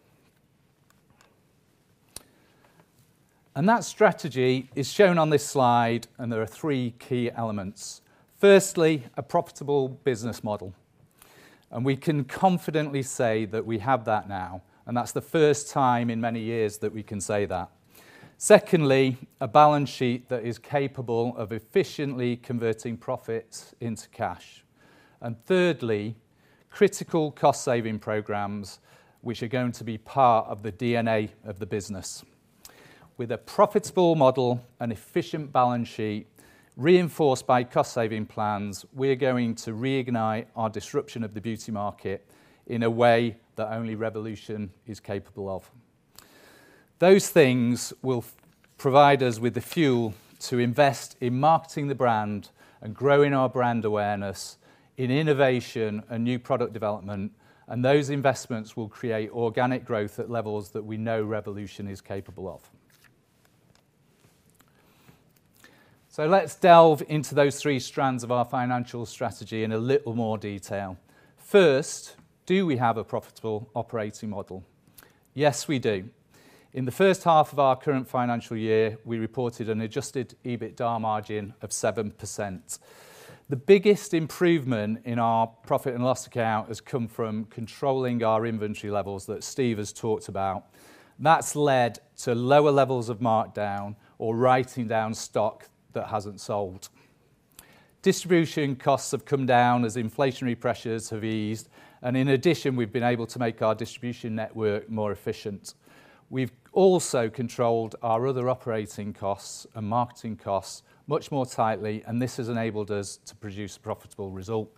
And that strategy is shown on this slide, and there are three key elements: firstly, a profitable business model, and we can confidently say that we have that now, and that's the first time in many years that we can say that. Secondly, a balance sheet that is capable of efficiently converting profits into cash. And thirdly, critical cost-saving programs which are going to be part of the DNA of the business. With a profitable model and efficient balance sheet reinforced by cost-saving plans, we're going to reignite our disruption of the beauty market in a way that only Revolution is capable of. Those things will provide us with the fuel to invest in marketing the brand and growing our brand awareness in innovation and new product development, and those investments will create organic growth at levels that we know Revolution is capable of. So let's delve into those three strands of our financial strategy in a little more detail. First, do we have a profitable operating model? Yes, we do. In the first half of our current financial year, we reported an adjusted EBITDA margin of 7%. The biggest improvement in our profit and loss account has come from controlling our inventory levels that Steve has talked about. That's led to lower levels of markdown or writing down stock that hasn't sold. Distribution costs have come down as inflationary pressures have eased, and in addition, we've been able to make our distribution network more efficient. We've also controlled our other operating costs and marketing costs much more tightly, and this has enabled us to produce a profitable result.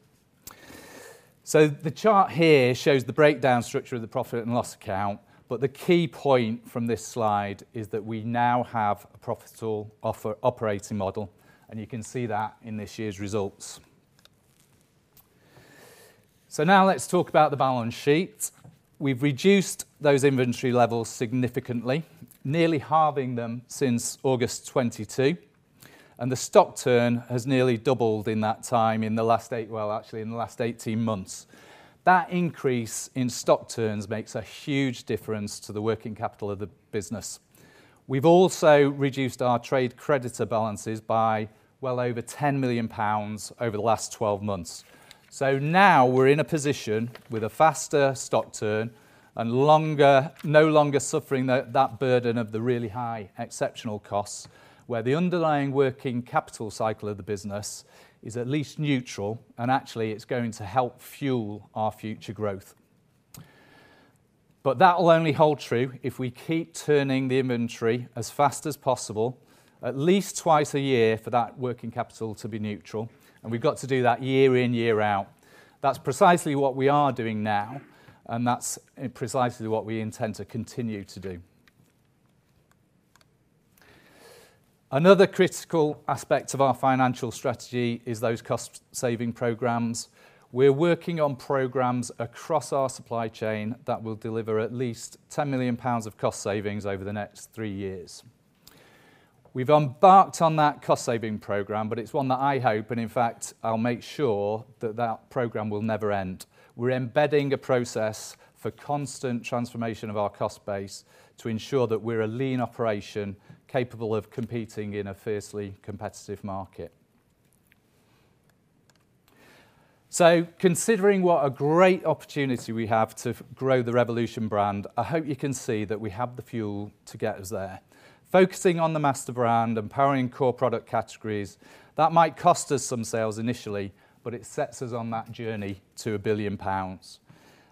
So the chart here shows the breakdown structure of the profit and loss account, but the key point from this slide is that we now have a profitable offer operating model, and you can see that in this year's results. So now let's talk about the balance sheet. We've reduced those inventory levels significantly, nearly halving them since August 2022, and the stock turn has nearly doubled in that time, in the last eight. Well, actually, in the last 18 months. That increase in stock turns makes a huge difference to the working capital of the business. We've also reduced our trade creditor balances by well over 10 million pounds over the last 12 months. So now we're in a position with a faster stock turn and longer, no longer suffering the, that burden of the really high exceptional costs, where the underlying working capital cycle of the business is at least neutral, and actually it's going to help fuel our future growth. But that will only hold true if we keep turning the inventory as fast as possible, at least twice a year, for that working capital to be neutral, and we've got to do that year in, year out. That's precisely what we are doing now, and that's precisely what we intend to continue to do. Another critical aspect of our financial strategy is those cost-saving programs. We're working on programs across our supply chain that will deliver at least 10 million pounds of cost savings over the next three years. We've embarked on that cost-saving program, but it's one that I hope, and in fact, I'll make sure, that that program will never end. We're embedding a process for constant transformation of our cost base to ensure that we're a lean operation, capable of competing in a fiercely competitive market. So considering what a great opportunity we have to grow the Revolution brand, I hope you can see that we have the fuel to get us there. Focusing on the master brand and powering core product categories, that might cost us some sales initially, but it sets us on that journey to 1 billion pounds.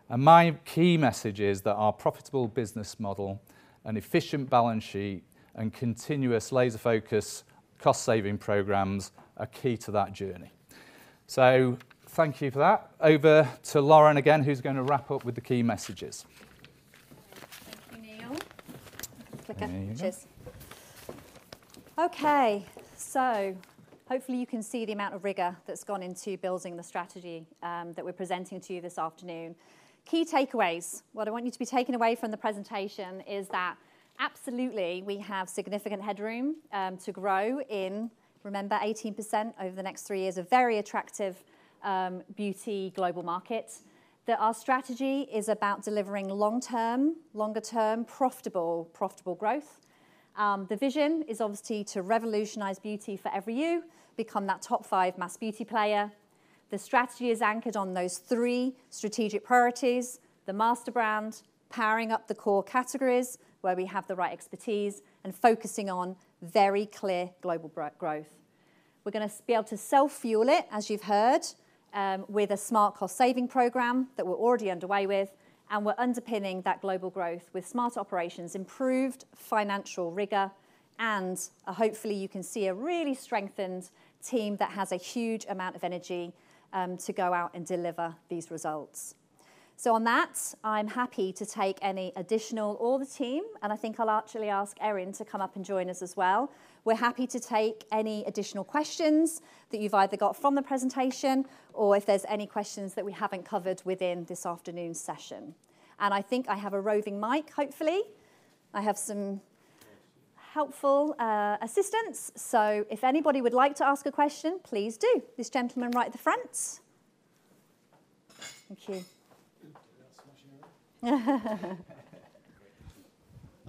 My key message is that our profitable business model, an efficient balance sheet, and continuous laser-focused cost-saving programs are key to that journey. Thank you for that. Over to Lauren again, who's going to wrap up with the key messages. Thank you, Neil. Clicker. There you go. Cheers. Okay, so hopefully you can see the amount of rigor that's gone into building the strategy that we're presenting to you this afternoon. Key takeaways. What I want you to be taking away from the presentation is that absolutely, we have significant headroom to grow in, remember, 18% over the next three years, a very attractive beauty global market. That our strategy is about delivering long-term, longer-term, profitable, profitable growth. The vision is obviously to revolutionize beauty for every you, become that top five mass beauty player. The strategy is anchored on those three strategic priorities: the master brand, powering up the core categories where we have the right expertise, and focusing on very clear global growth. We're gonna be able to self-fuel it, as you've heard, with a smart cost-saving program that we're already underway with, and we're underpinning that global growth with smart operations, improved financial rigor, and, hopefully, you can see a really strengthened team that has a huge amount of energy, to go out and deliver these results. So on that, I'm happy to take any additional. All the team, and I think I'll actually ask Erin to come up and join us as well. We're happy to take any additional questions that you've either got from the presentation or if there's any questions that we haven't covered within this afternoon's session. And I think I have a roving mic, hopefully. I have some. Yes Helpful, assistants, so if anybody would like to ask a question, please do. This gentleman right at the front. Thank you.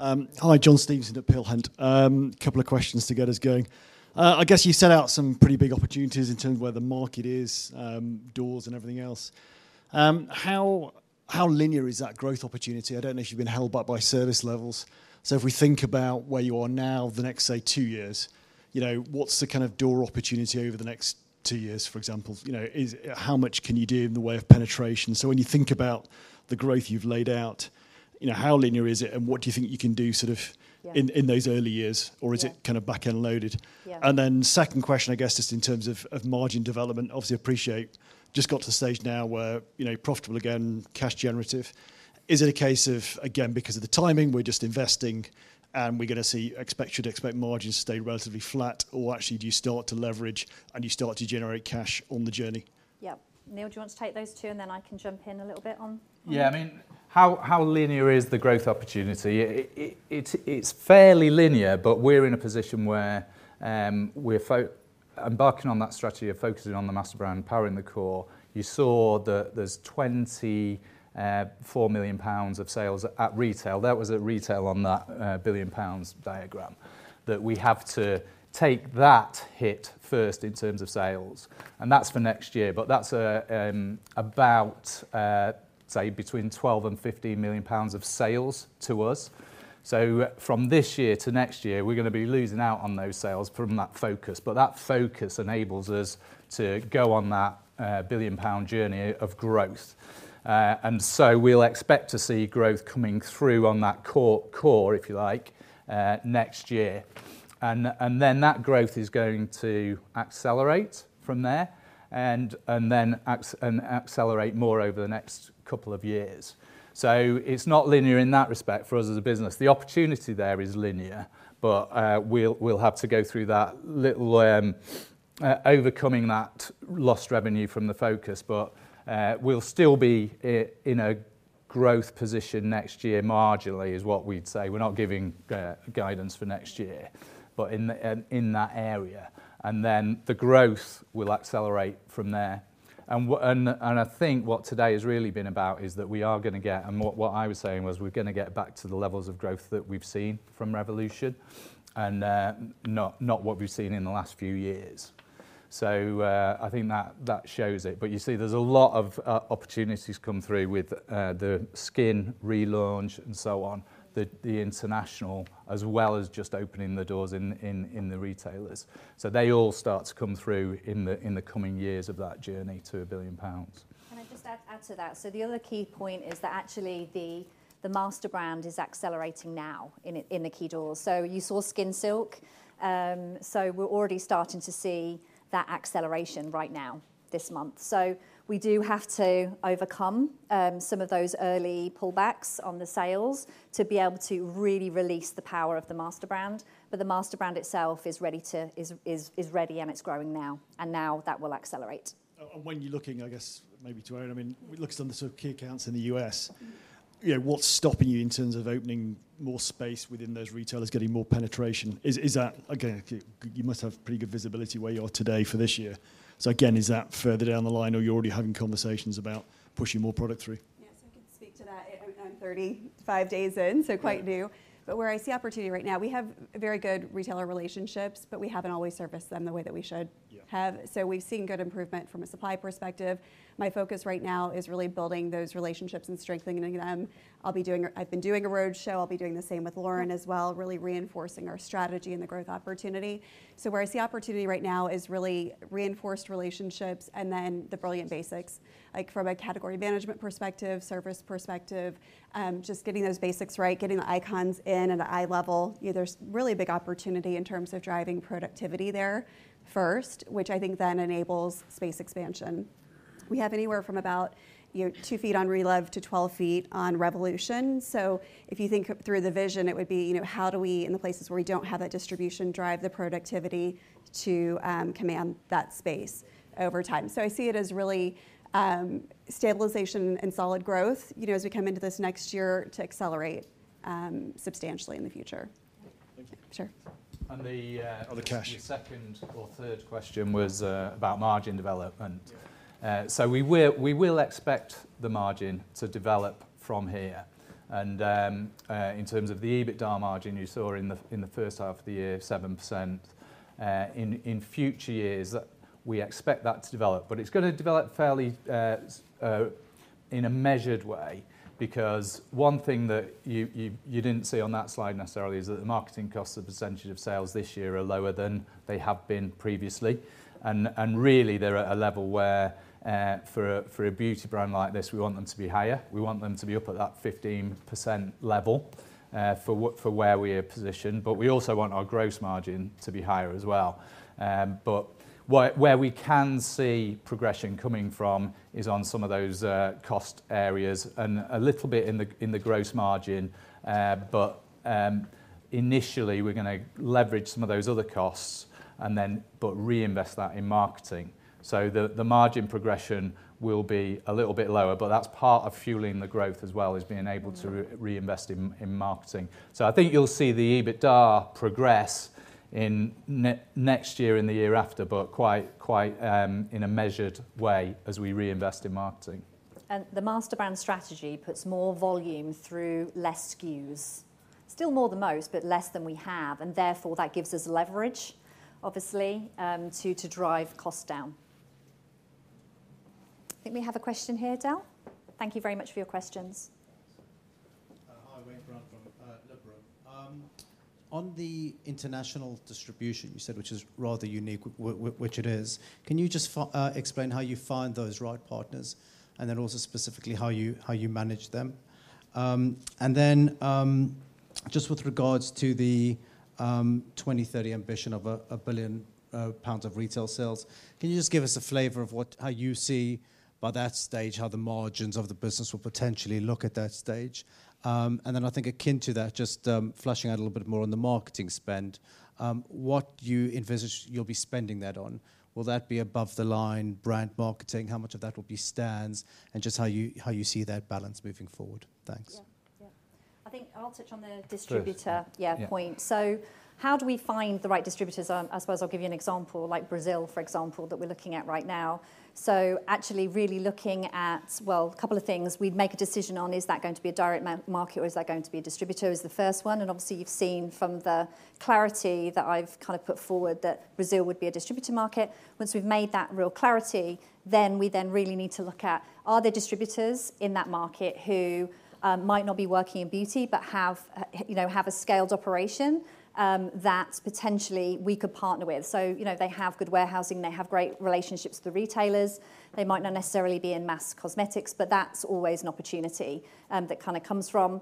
Hi, John Stevenson at Peel Hunt. A couple of questions to get us going. I guess you set out some pretty big opportunities in terms of where the market is, doors and everything else. How linear is that growth opportunity? I don't know if you've been held back by service levels. So if we think about where you are now, the next, say, two years, you know, what's the kind of door opportunity over the next two years, for example? You know, how much can you do in the way of penetration? So when you think about the growth you've laid out, you know, how linear is it, and what do you think you can do in those early years? Yeah. Or is it kind of back-end loaded? Yeah. And then second question, I guess, just in terms of margin development. Obviously, appreciate just got to the stage now where, you know, profitable again, cash generative. Is it a case of, again, because of the timing, we're just investing, and we're gonna see, expect, should expect margins to stay relatively flat, or actually, do you start to leverage, and you start to generate cash on the journey? Yeah. Neil, do you want to take those two, and then I can jump in a little bit on. Yeah, I mean, how linear is the growth opportunity? It's fairly linear, but we're in a position where we're embarking on that strategy of focusing on the master brand, powering the core. You saw that there's 24 million pounds of sales at retail. That was at retail on that billion-pound diagram, that we have to take that hit first in terms of sales, and that's for next year. But that's about, say, between 12 million and 15 million pounds of sales to us. So from this year to next year, we're gonna be losing out on those sales from that focus, but that focus enables us to go on that billion-pound journey of growth. And so we'll expect to see growth coming through on that core, if you like, next year. And then that growth is going to accelerate from there, and then accelerate more over the next couple of years. So it's not linear in that respect for us as a business. The opportunity there is linear, but we'll have to go through that little overcoming that lost revenue from the focus. But we'll still be in a growth position next year, marginally, is what we'd say. We're not giving guidance for next year, but in that area, and then the growth will accelerate from there. And I think what today has really been about is that we are gonna get. What I was saying was, we're gonna get back to the levels of growth that we've seen from Revolution, and not what we've seen in the last few years. So, I think that shows it. But you see there's a lot of opportunities come through with the skin relaunch and so on, the international, as well as just opening the doors in the retailers. So they all start to come through in the coming years of that journey to 1 billion pounds. Can I just add to that? So the other key point is that actually, the master brand is accelerating now in the key doors. So you saw Skin Silk, so we're already starting to see that acceleration right now, this month. So we do have to overcome some of those early pullbacks on the sales to be able to really release the power of the master brand, but the master brand itself is ready to, is ready, and it's growing now, and now that will accelerate. And when you're looking, I guess, maybe to Erin, I mean, we look at some of the sort of key accounts in the U.S., you know, what's stopping you in terms of opening more space within those retailers, getting more penetration? Is that, again, you must have pretty good visibility where you are today for this year. So again, is that further down the line, or you're already having conversations about pushing more product through? Yes, I can speak to that. I'm, I'm 35 days in, so quite new. But where I see opportunity right now, we have very good retailer relationships, but we haven't always serviced them the way that we should. Yeah Have. So we've seen good improvement from a supply perspective. My focus right now is really building those relationships and strengthening them. I'll be doing a. I've been doing a roadshow. I'll be doing the same with Lauren as well, really reinforcing our strategy and the growth opportunity. So where I see opportunity right now is really reinforced relationships and then the brilliant basics, like from a category management perspective, service perspective, just getting those basics right, getting the icons in at the eye level. You know, there's really a big opportunity in terms of driving productivity there first, which I think then enables space expansion. We have anywhere from about, you know, 2 ft on Relove to 12 ft on Revolution. If you think through the vision, it would be, you know, how do we, in the places where we don't have that distribution, drive the productivity to command that space over time? I see it as really stabilization and solid growth, you know, as we come into this next year, to accelerate substantially in the future. Thank you. Sure. And the. Akash. The second or third question was about margin development. Yeah. So we will expect the margin to develop from here. In terms of the EBITDA margin, you saw in the first half of the year, 7%. In future years, we expect that to develop, but it's gonna develop fairly in a measured way. Because one thing that you didn't see on that slide necessarily is that the marketing costs as a percentage of sales this year are lower than they have been previously, and really, they're at a level where, for a beauty brand like this, we want them to be higher. We want them to be up at that 15% level, for where we're positioned, but we also want our gross margin to be higher as well. But where we can see progression coming from is on some of those cost areas and a little bit in the gross margin. But initially, we're gonna leverage some of those other costs and then but reinvest that in marketing. So the margin progression will be a little bit lower, but that's part of fueling the growth as well, is being able to reinvest in marketing. So I think you'll see the EBITDA progress in next year and the year after, but quite in a measured way as we reinvest in marketing. The master brand strategy puts more volume through less SKUs. Still more than most, but less than we have, and therefore, that gives us leverage, obviously, to drive costs down. I think we have a question here, Dale. Thank you very much for your questions. Thanks. Hi, Wayne Brown from Liberum. On the international distribution, you said, which is rather unique, which it is, can you just explain how you find those right partners, and then also specifically, how you manage them? And then, Just with regards to the 2030 ambition of a 1 billion pounds of retail sales, can you just give us a flavor of how you see by that stage, how the margins of the business will potentially look at that stage? And then I think akin to that, just fleshing out a little bit more on the marketing spend, what you envisage you'll be spending that on? Will that be above the line, brand marketing? How much of that will be stands, and just how you see that balance moving forward? Thanks. Yeah. Yeah. I think I'll touch on the distributor. Sure. Yeah. Yeah Point. So how do we find the right distributors? I suppose I'll give you an example, like Brazil, for example, that we're looking at right now. So actually, really looking at, well, a couple of things. We'd make a decision on, is that going to be a direct market, or is that going to be a distributor, is the first one, and obviously, you've seen from the clarity that I've kind of put forward, that Brazil would be a distributor market. Once we've made that real clarity, then we then really need to look at, are there distributors in that market who might not be working in beauty, but have, you know, have a scaled operation, that potentially we could partner with? So, you know, they have good warehousing, they have great relationships with the retailers. They might not necessarily be in mass cosmetics, but that's always an opportunity, that kind of comes from.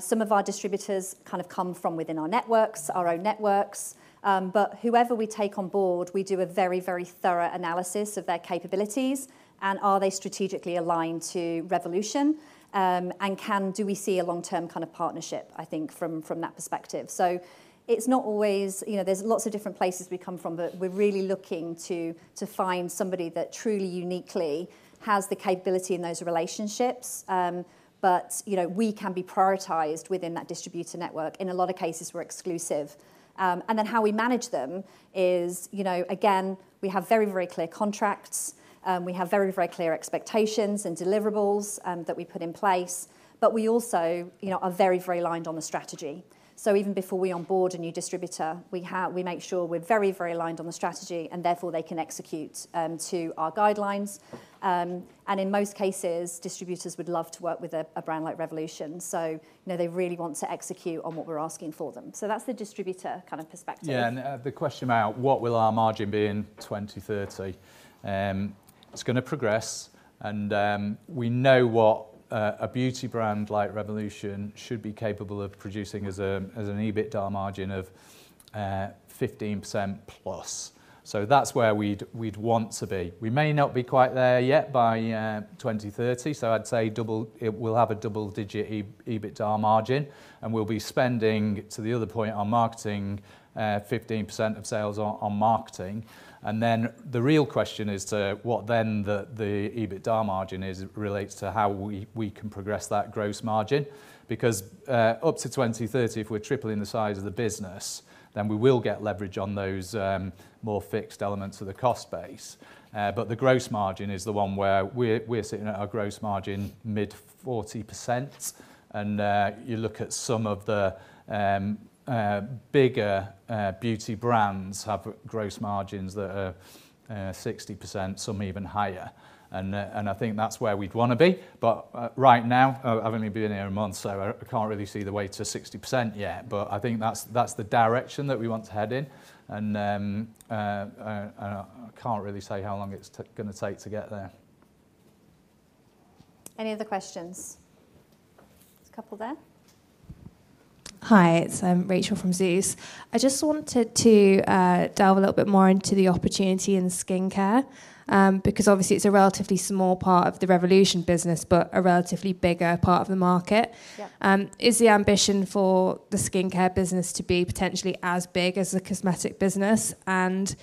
Some of our distributors kind of come from within our networks, our own networks. But whoever we take on board, we do a very, very thorough analysis of their capabilities, and are they strategically aligned to Revolution? And can do we see a long-term kind of partnership, I think, from that perspective? So it's not always. You know, there's lots of different places we come from, but we're really looking to find somebody that truly, uniquely has the capability in those relationships. But, you know, we can be prioritized within that distributor network. In a lot of cases, we're exclusive. And then how we manage them is, you know, again, we have very, very clear contracts, we have very, very clear expectations and deliverables that we put in place, but we also, you know, are very, very aligned on the strategy. So even before we onboard a new distributor, we make sure we're very, very aligned on the strategy, and therefore, they can execute to our guidelines. And in most cases, distributors would love to work with a brand like Revolution, so, you know, they really want to execute on what we're asking for them. So that's the distributor kind of perspective. Yeah, and, the question about what will our margin be in 2030? It's gonna progress, and, we know what a beauty brand like Revolution should be capable of producing as an EBITDA margin of 15%+. So that's where we'd want to be. We may not be quite there yet by 2030, so I'd say it will have a double-digit EBITDA margin, and we'll be spending, to the other point, on marketing, 15% of sales on marketing. And then the real question is what the EBITDA margin is. It relates to how we can progress that gross margin. Because, up to 2030, if we're tripling the size of the business, then we will get leverage on those more fixed elements of the cost base. But the gross margin is the one where we're sitting at a gross margin mid 40%, and you look at some of the bigger beauty brands have gross margins that are 60%, some even higher, and I think that's where we'd wanna be, but right now, I've only been here a month, so I can't really see the way to 60% yet. But I think that's the direction that we want to head in, and I can't really say how long it's gonna take to get there. Any other questions? There's a couple there. Hi, I'm Rachel from Zeus. I just wanted to delve a little bit more into the opportunity in skincare, because obviously, it's a relatively small part of the Revolution business, but a relatively bigger part of the market. Yeah. Is the ambition for the skincare business to be potentially as big as the cosmetic business? You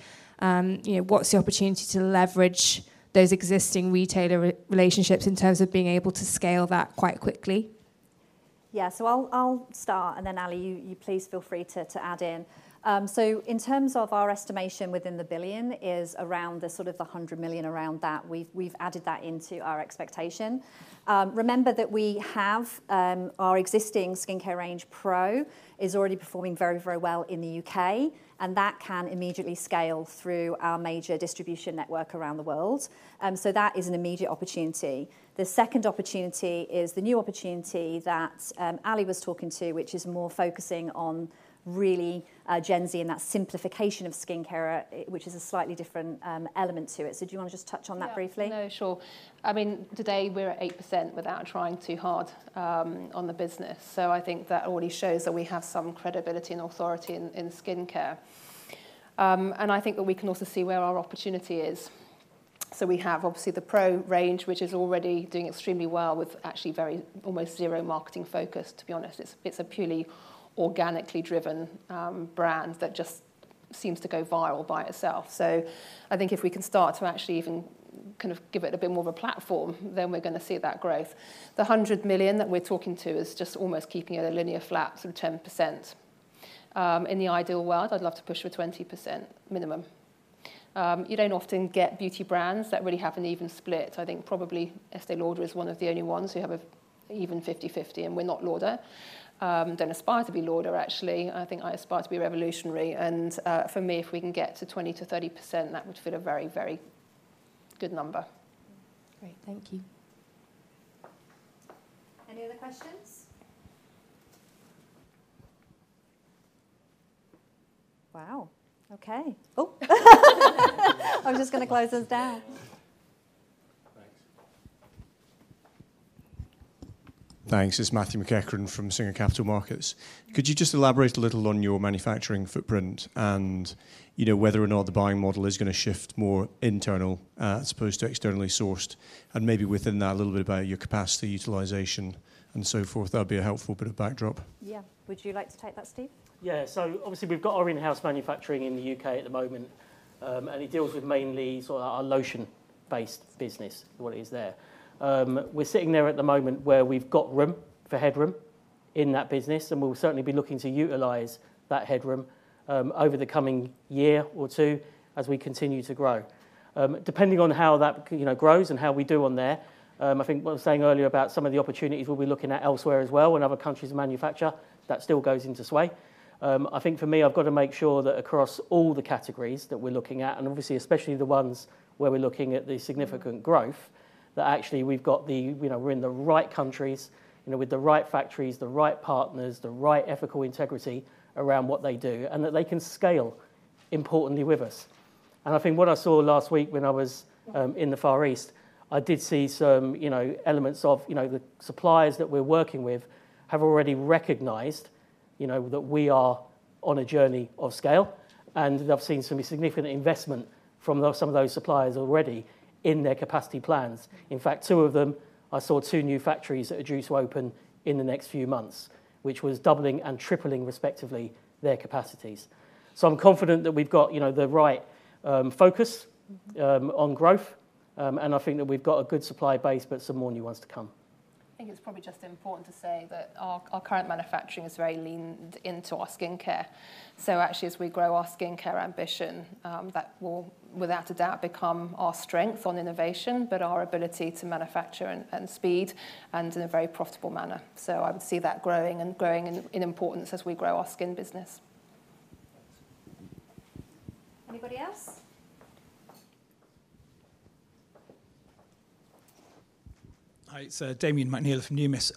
know, what's the opportunity to leverage those existing retailer relationships in terms of being able to scale that quite quickly? Yeah, so I'll start, and then Ali, you please feel free to add in. So in terms of our estimation within the billion is around the sort of 100 million around that. We've added that into our expectation. Remember that we have our existing skincare range, Pro, is already performing very, very well in the U.K., and that can immediately scale through our major distribution network around the world. So that is an immediate opportunity. The second opportunity is the new opportunity that Ali was talking to, which is more focusing on really Gen Z, and that simplification of skincare, which is a slightly different element to it. So do you wanna just touch on that briefly? Yeah. No, sure. I mean, today, we're at 8% without trying too hard, on the business, so I think that already shows that we have some credibility and authority in skincare. And I think that we can also see where our opportunity is. So we have, obviously, the Pro range, which is already doing extremely well with actually very almost zero marketing focus, to be honest. It's a purely organically driven brand that just seems to go viral by itself. So I think if we can start to actually even kind of give it a bit more of a platform, then we're gonna see that growth. The 100 million that we're talking to is just almost keeping it at a linear flat, sort of 10%. In the ideal world, I'd love to push for 20% minimum. You don't often get beauty brands that really have an even split. I think probably Estée Lauder is one of the only ones who have an even 50/50, and we're not Lauder. Don't aspire to be Lauder, actually. I think I aspire to be revolutionary, and for me, if we can get to 20%-30%, that would feel a very, very good number. Great. Thank you. Any other questions? Wow, okay. Oh! I'm just gonna close this down. Thanks. It's Matthew McEachran from Singer Capital Markets. Could you just elaborate a little on your manufacturing footprint and, you know, whether or not the buying model is gonna shift more internal, as opposed to externally sourced? And maybe within that, a little bit about your capacity utilization and so forth. That'd be a helpful bit of backdrop. Yeah. Would you like to take that, Steve? Yeah. So obviously, we've got our in-house manufacturing in the U.K. at the moment, and it deals with mainly sort of our lotion-based business, what is there. We're sitting there at the moment where we've got room for headroom in that business, and we'll certainly be looking to utilize that headroom over the coming year or two as we continue to grow. Depending on how that, you know, grows and how we do on there, I think what I was saying earlier about some of the opportunities we'll be looking at elsewhere as well, when other countries manufacture, that still comes into play. I think for me, I've got to make sure that across all the categories that we're looking at, and obviously especially the ones where we're looking at the significant growth, that actually we've got the. You know, we're in the right countries, you know, with the right factories, the right partners, the right ethical integrity around what they do, and that they can scale, importantly with us. I think what I saw last week when I was in the Far East, I did see some, you know, elements of, you know, the suppliers that we're working with have already recognized, you know, that we are on a journey of scale, and I've seen some significant investment from those, some of those suppliers already in their capacity plans. In fact, two of them, I saw two new factories that are due to open in the next few months, which was doubling and tripling, respectively, their capacities. I'm confident that we've got, you know, the right focus on growth, and I think that we've got a good supply base, but some more new ones to come. I think it's probably just important to say that our current manufacturing is very leaned into our skincare. So actually, as we grow our skincare ambition, that will without a doubt become our strength on innovation, but our ability to manufacture and speed, and in a very profitable manner. So I would see that growing and growing in importance as we grow our skin business. Anybody else? Hi, it's Damian McNeela from Numis.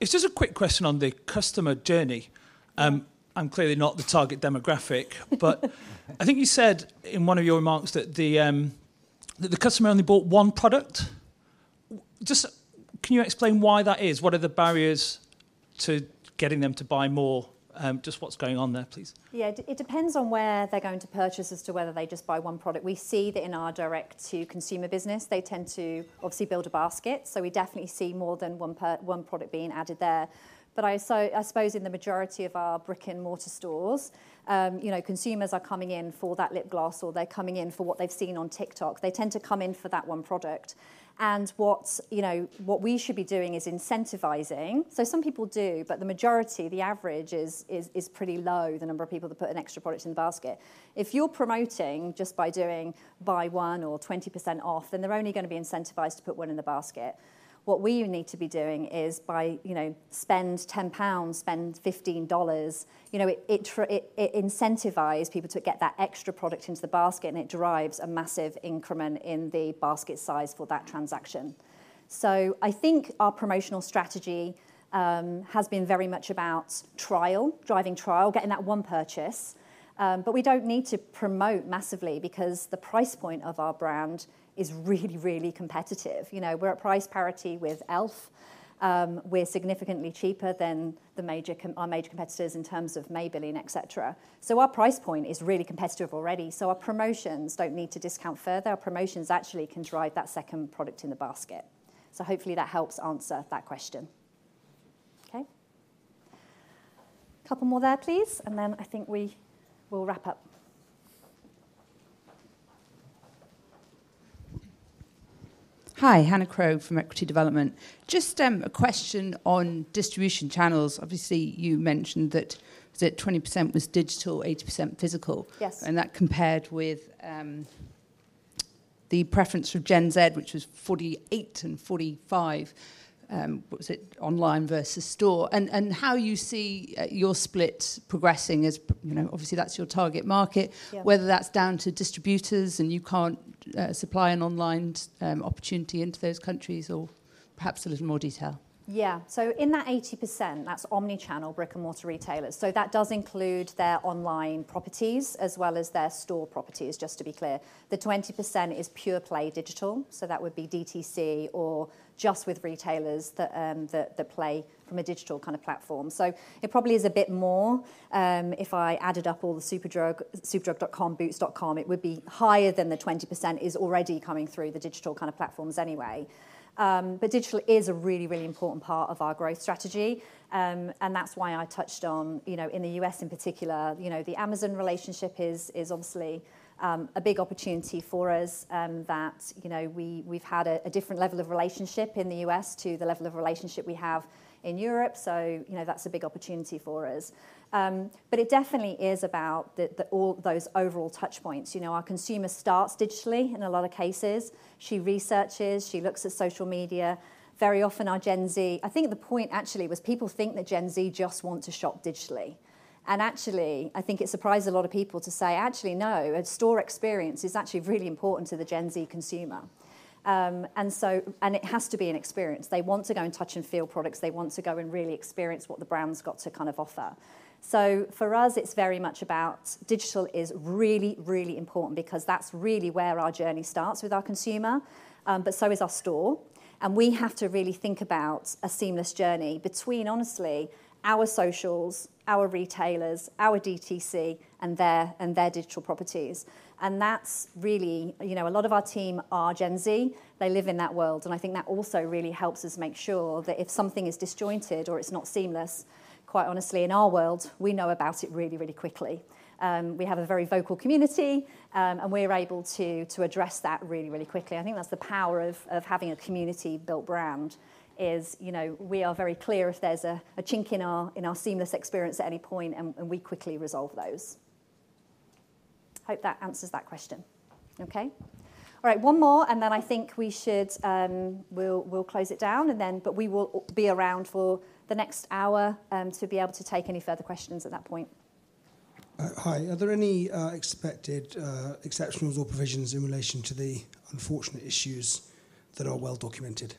It's just a quick question on the customer journey. I'm clearly not the target demographic, but I think you said in one of your remarks that the customer only bought one product. Just, can you explain why that is? What are the barriers to getting them to buy more, just what's going on there, please? Yeah, it depends on where they're going to purchase as to whether they just buy one product. We see that in our direct-to-consumer business, they tend to obviously build a basket, so we definitely see more than one product being added there. But so, I suppose in the majority of our brick-and-mortar stores, you know, consumers are coming in for that lip gloss, or they're coming in for what they've seen on TikTok. They tend to come in for that one product. And what's, you know, what we should be doing is incentivising. So some people do, but the majority, the average is pretty low, the number of people that put an extra product in the basket. If you're promoting just by doing buy one or 20% off, then they're only gonna be incentivised to put one in the basket. What we need to be doing is buy, you know, spend 10 pounds, spend $15. You know, it incentivizes people to get that extra product into the basket, and it drives a massive increment in the basket size for that transaction. So I think our promotional strategy has been very much about trial, driving trial, getting that one purchase. But we don't need to promote massively because the price point of our brand is really, really competitive. You know, we're at price parity with e.l.f. We're significantly cheaper than our major competitors in terms of Maybelline, et cetera. So our price point is really competitive already, so our promotions don't need to discount further. Our promotions actually can drive that second product in the basket. So hopefully that helps answer that question. Okay. Couple more there, please, and then I think we will wrap up. Hi, Hannah Crowe from Equity Development. Just, a question on distribution channels. Obviously, you mentioned that, was it 20% was digital, 80% physical? Yes. That compared with the preference for Gen Z, which was 48 and 45, was it online versus store? And how you see your split progressing as, you know, obviously, that's your target market- Yeah Whether that's down to distributors, and you can't supply an online opportunity into those countries or perhaps a little more detail? Yeah. So in that 80%, that's omni-channel, brick-and-mortar retailers. So that does include their online properties as well as their store properties, just to be clear. The 20% is pure-play digital, so that would be DTC or just with retailers that play from a digital kind of platform. So it probably is a bit more, if I added up all the Superdrug, Superdrug.com, Boots.com, it would be higher than the 20% is already coming through the digital kind of platforms anyway. But digital is a really, really important part of our growth strategy. That's why I touched on, you know, in the U.S. in particular, you know, the Amazon relationship is obviously a big opportunity for us, that, you know, we've had a different level of relationship in the U.S. to the level of relationship we have in Europe, so, you know, that's a big opportunity for us. But it definitely is about all those overall touchpoints. You know, our consumer starts digitally in a lot of cases. She researches, she looks at social media. Very often our Gen Z. I think the point actually was people think that Gen Z just want to shop digitally, and actually, I think it surprised a lot of people to say, "Actually, no, a store experience is actually really important to the Gen Z consumer." And so, it has to be an experience. They want to go and touch and feel products. They want to go and really experience what the brand's got to kind of offer. So for us, it's very much about digital is really, really important because that's really where our journey starts with our consumer, but so is our store, and we have to really think about a seamless journey between, honestly, our socials, our retailers, our DTC, and their, and their digital properties. And that's really. You know, a lot of our team are Gen Z. They live in that world, and I think that also really helps us make sure that if something is disjointed or it's not seamless, quite honestly, in our world, we know about it really, really quickly. We have a very vocal community, and we're able to, to address that really, really quickly. I think that's the power of having a community-built brand is, you know, we are very clear if there's a chink in our seamless experience at any point, and we quickly resolve those. Hope that answers that question. Okay. All right, one more, and then I think we should, we'll close it down, and then, but we will be around for the next hour, to be able to take any further questions at that point. Hi. Are there any expected exceptionals or provisions in relation to the unfortunate issues that are well documented?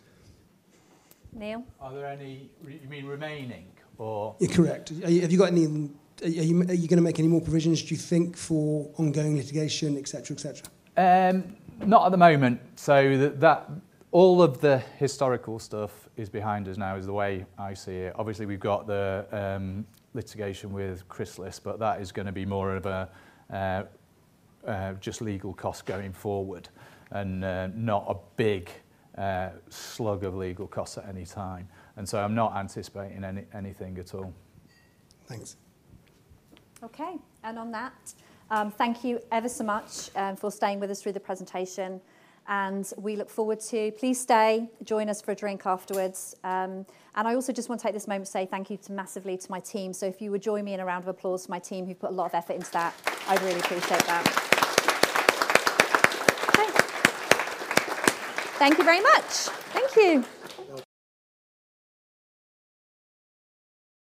Neil? Are there any. You mean remaining or? Yeah, correct. Are you gonna make any more provisions, do you think, for ongoing litigation, et cetera, et cetera? Not at the moment. So, that all of the historical stuff is behind us now, is the way I see it. Obviously, we've got the litigation with Chrysalis, but that is gonna be more of a just legal cost going forward and not a big slug of legal costs at any time, and so I'm not anticipating anything at all. Thanks. Okay, and on that, thank you ever so much for staying with us through the presentation, and we look forward to. Please stay, join us for a drink afterwards. And I also just want to take this moment to say thank you to, massively, to my team. So if you would join me in a round of applause for my team, who put a lot of effort into that, I'd really appreciate that. Thanks. Thank you very much. Thank you!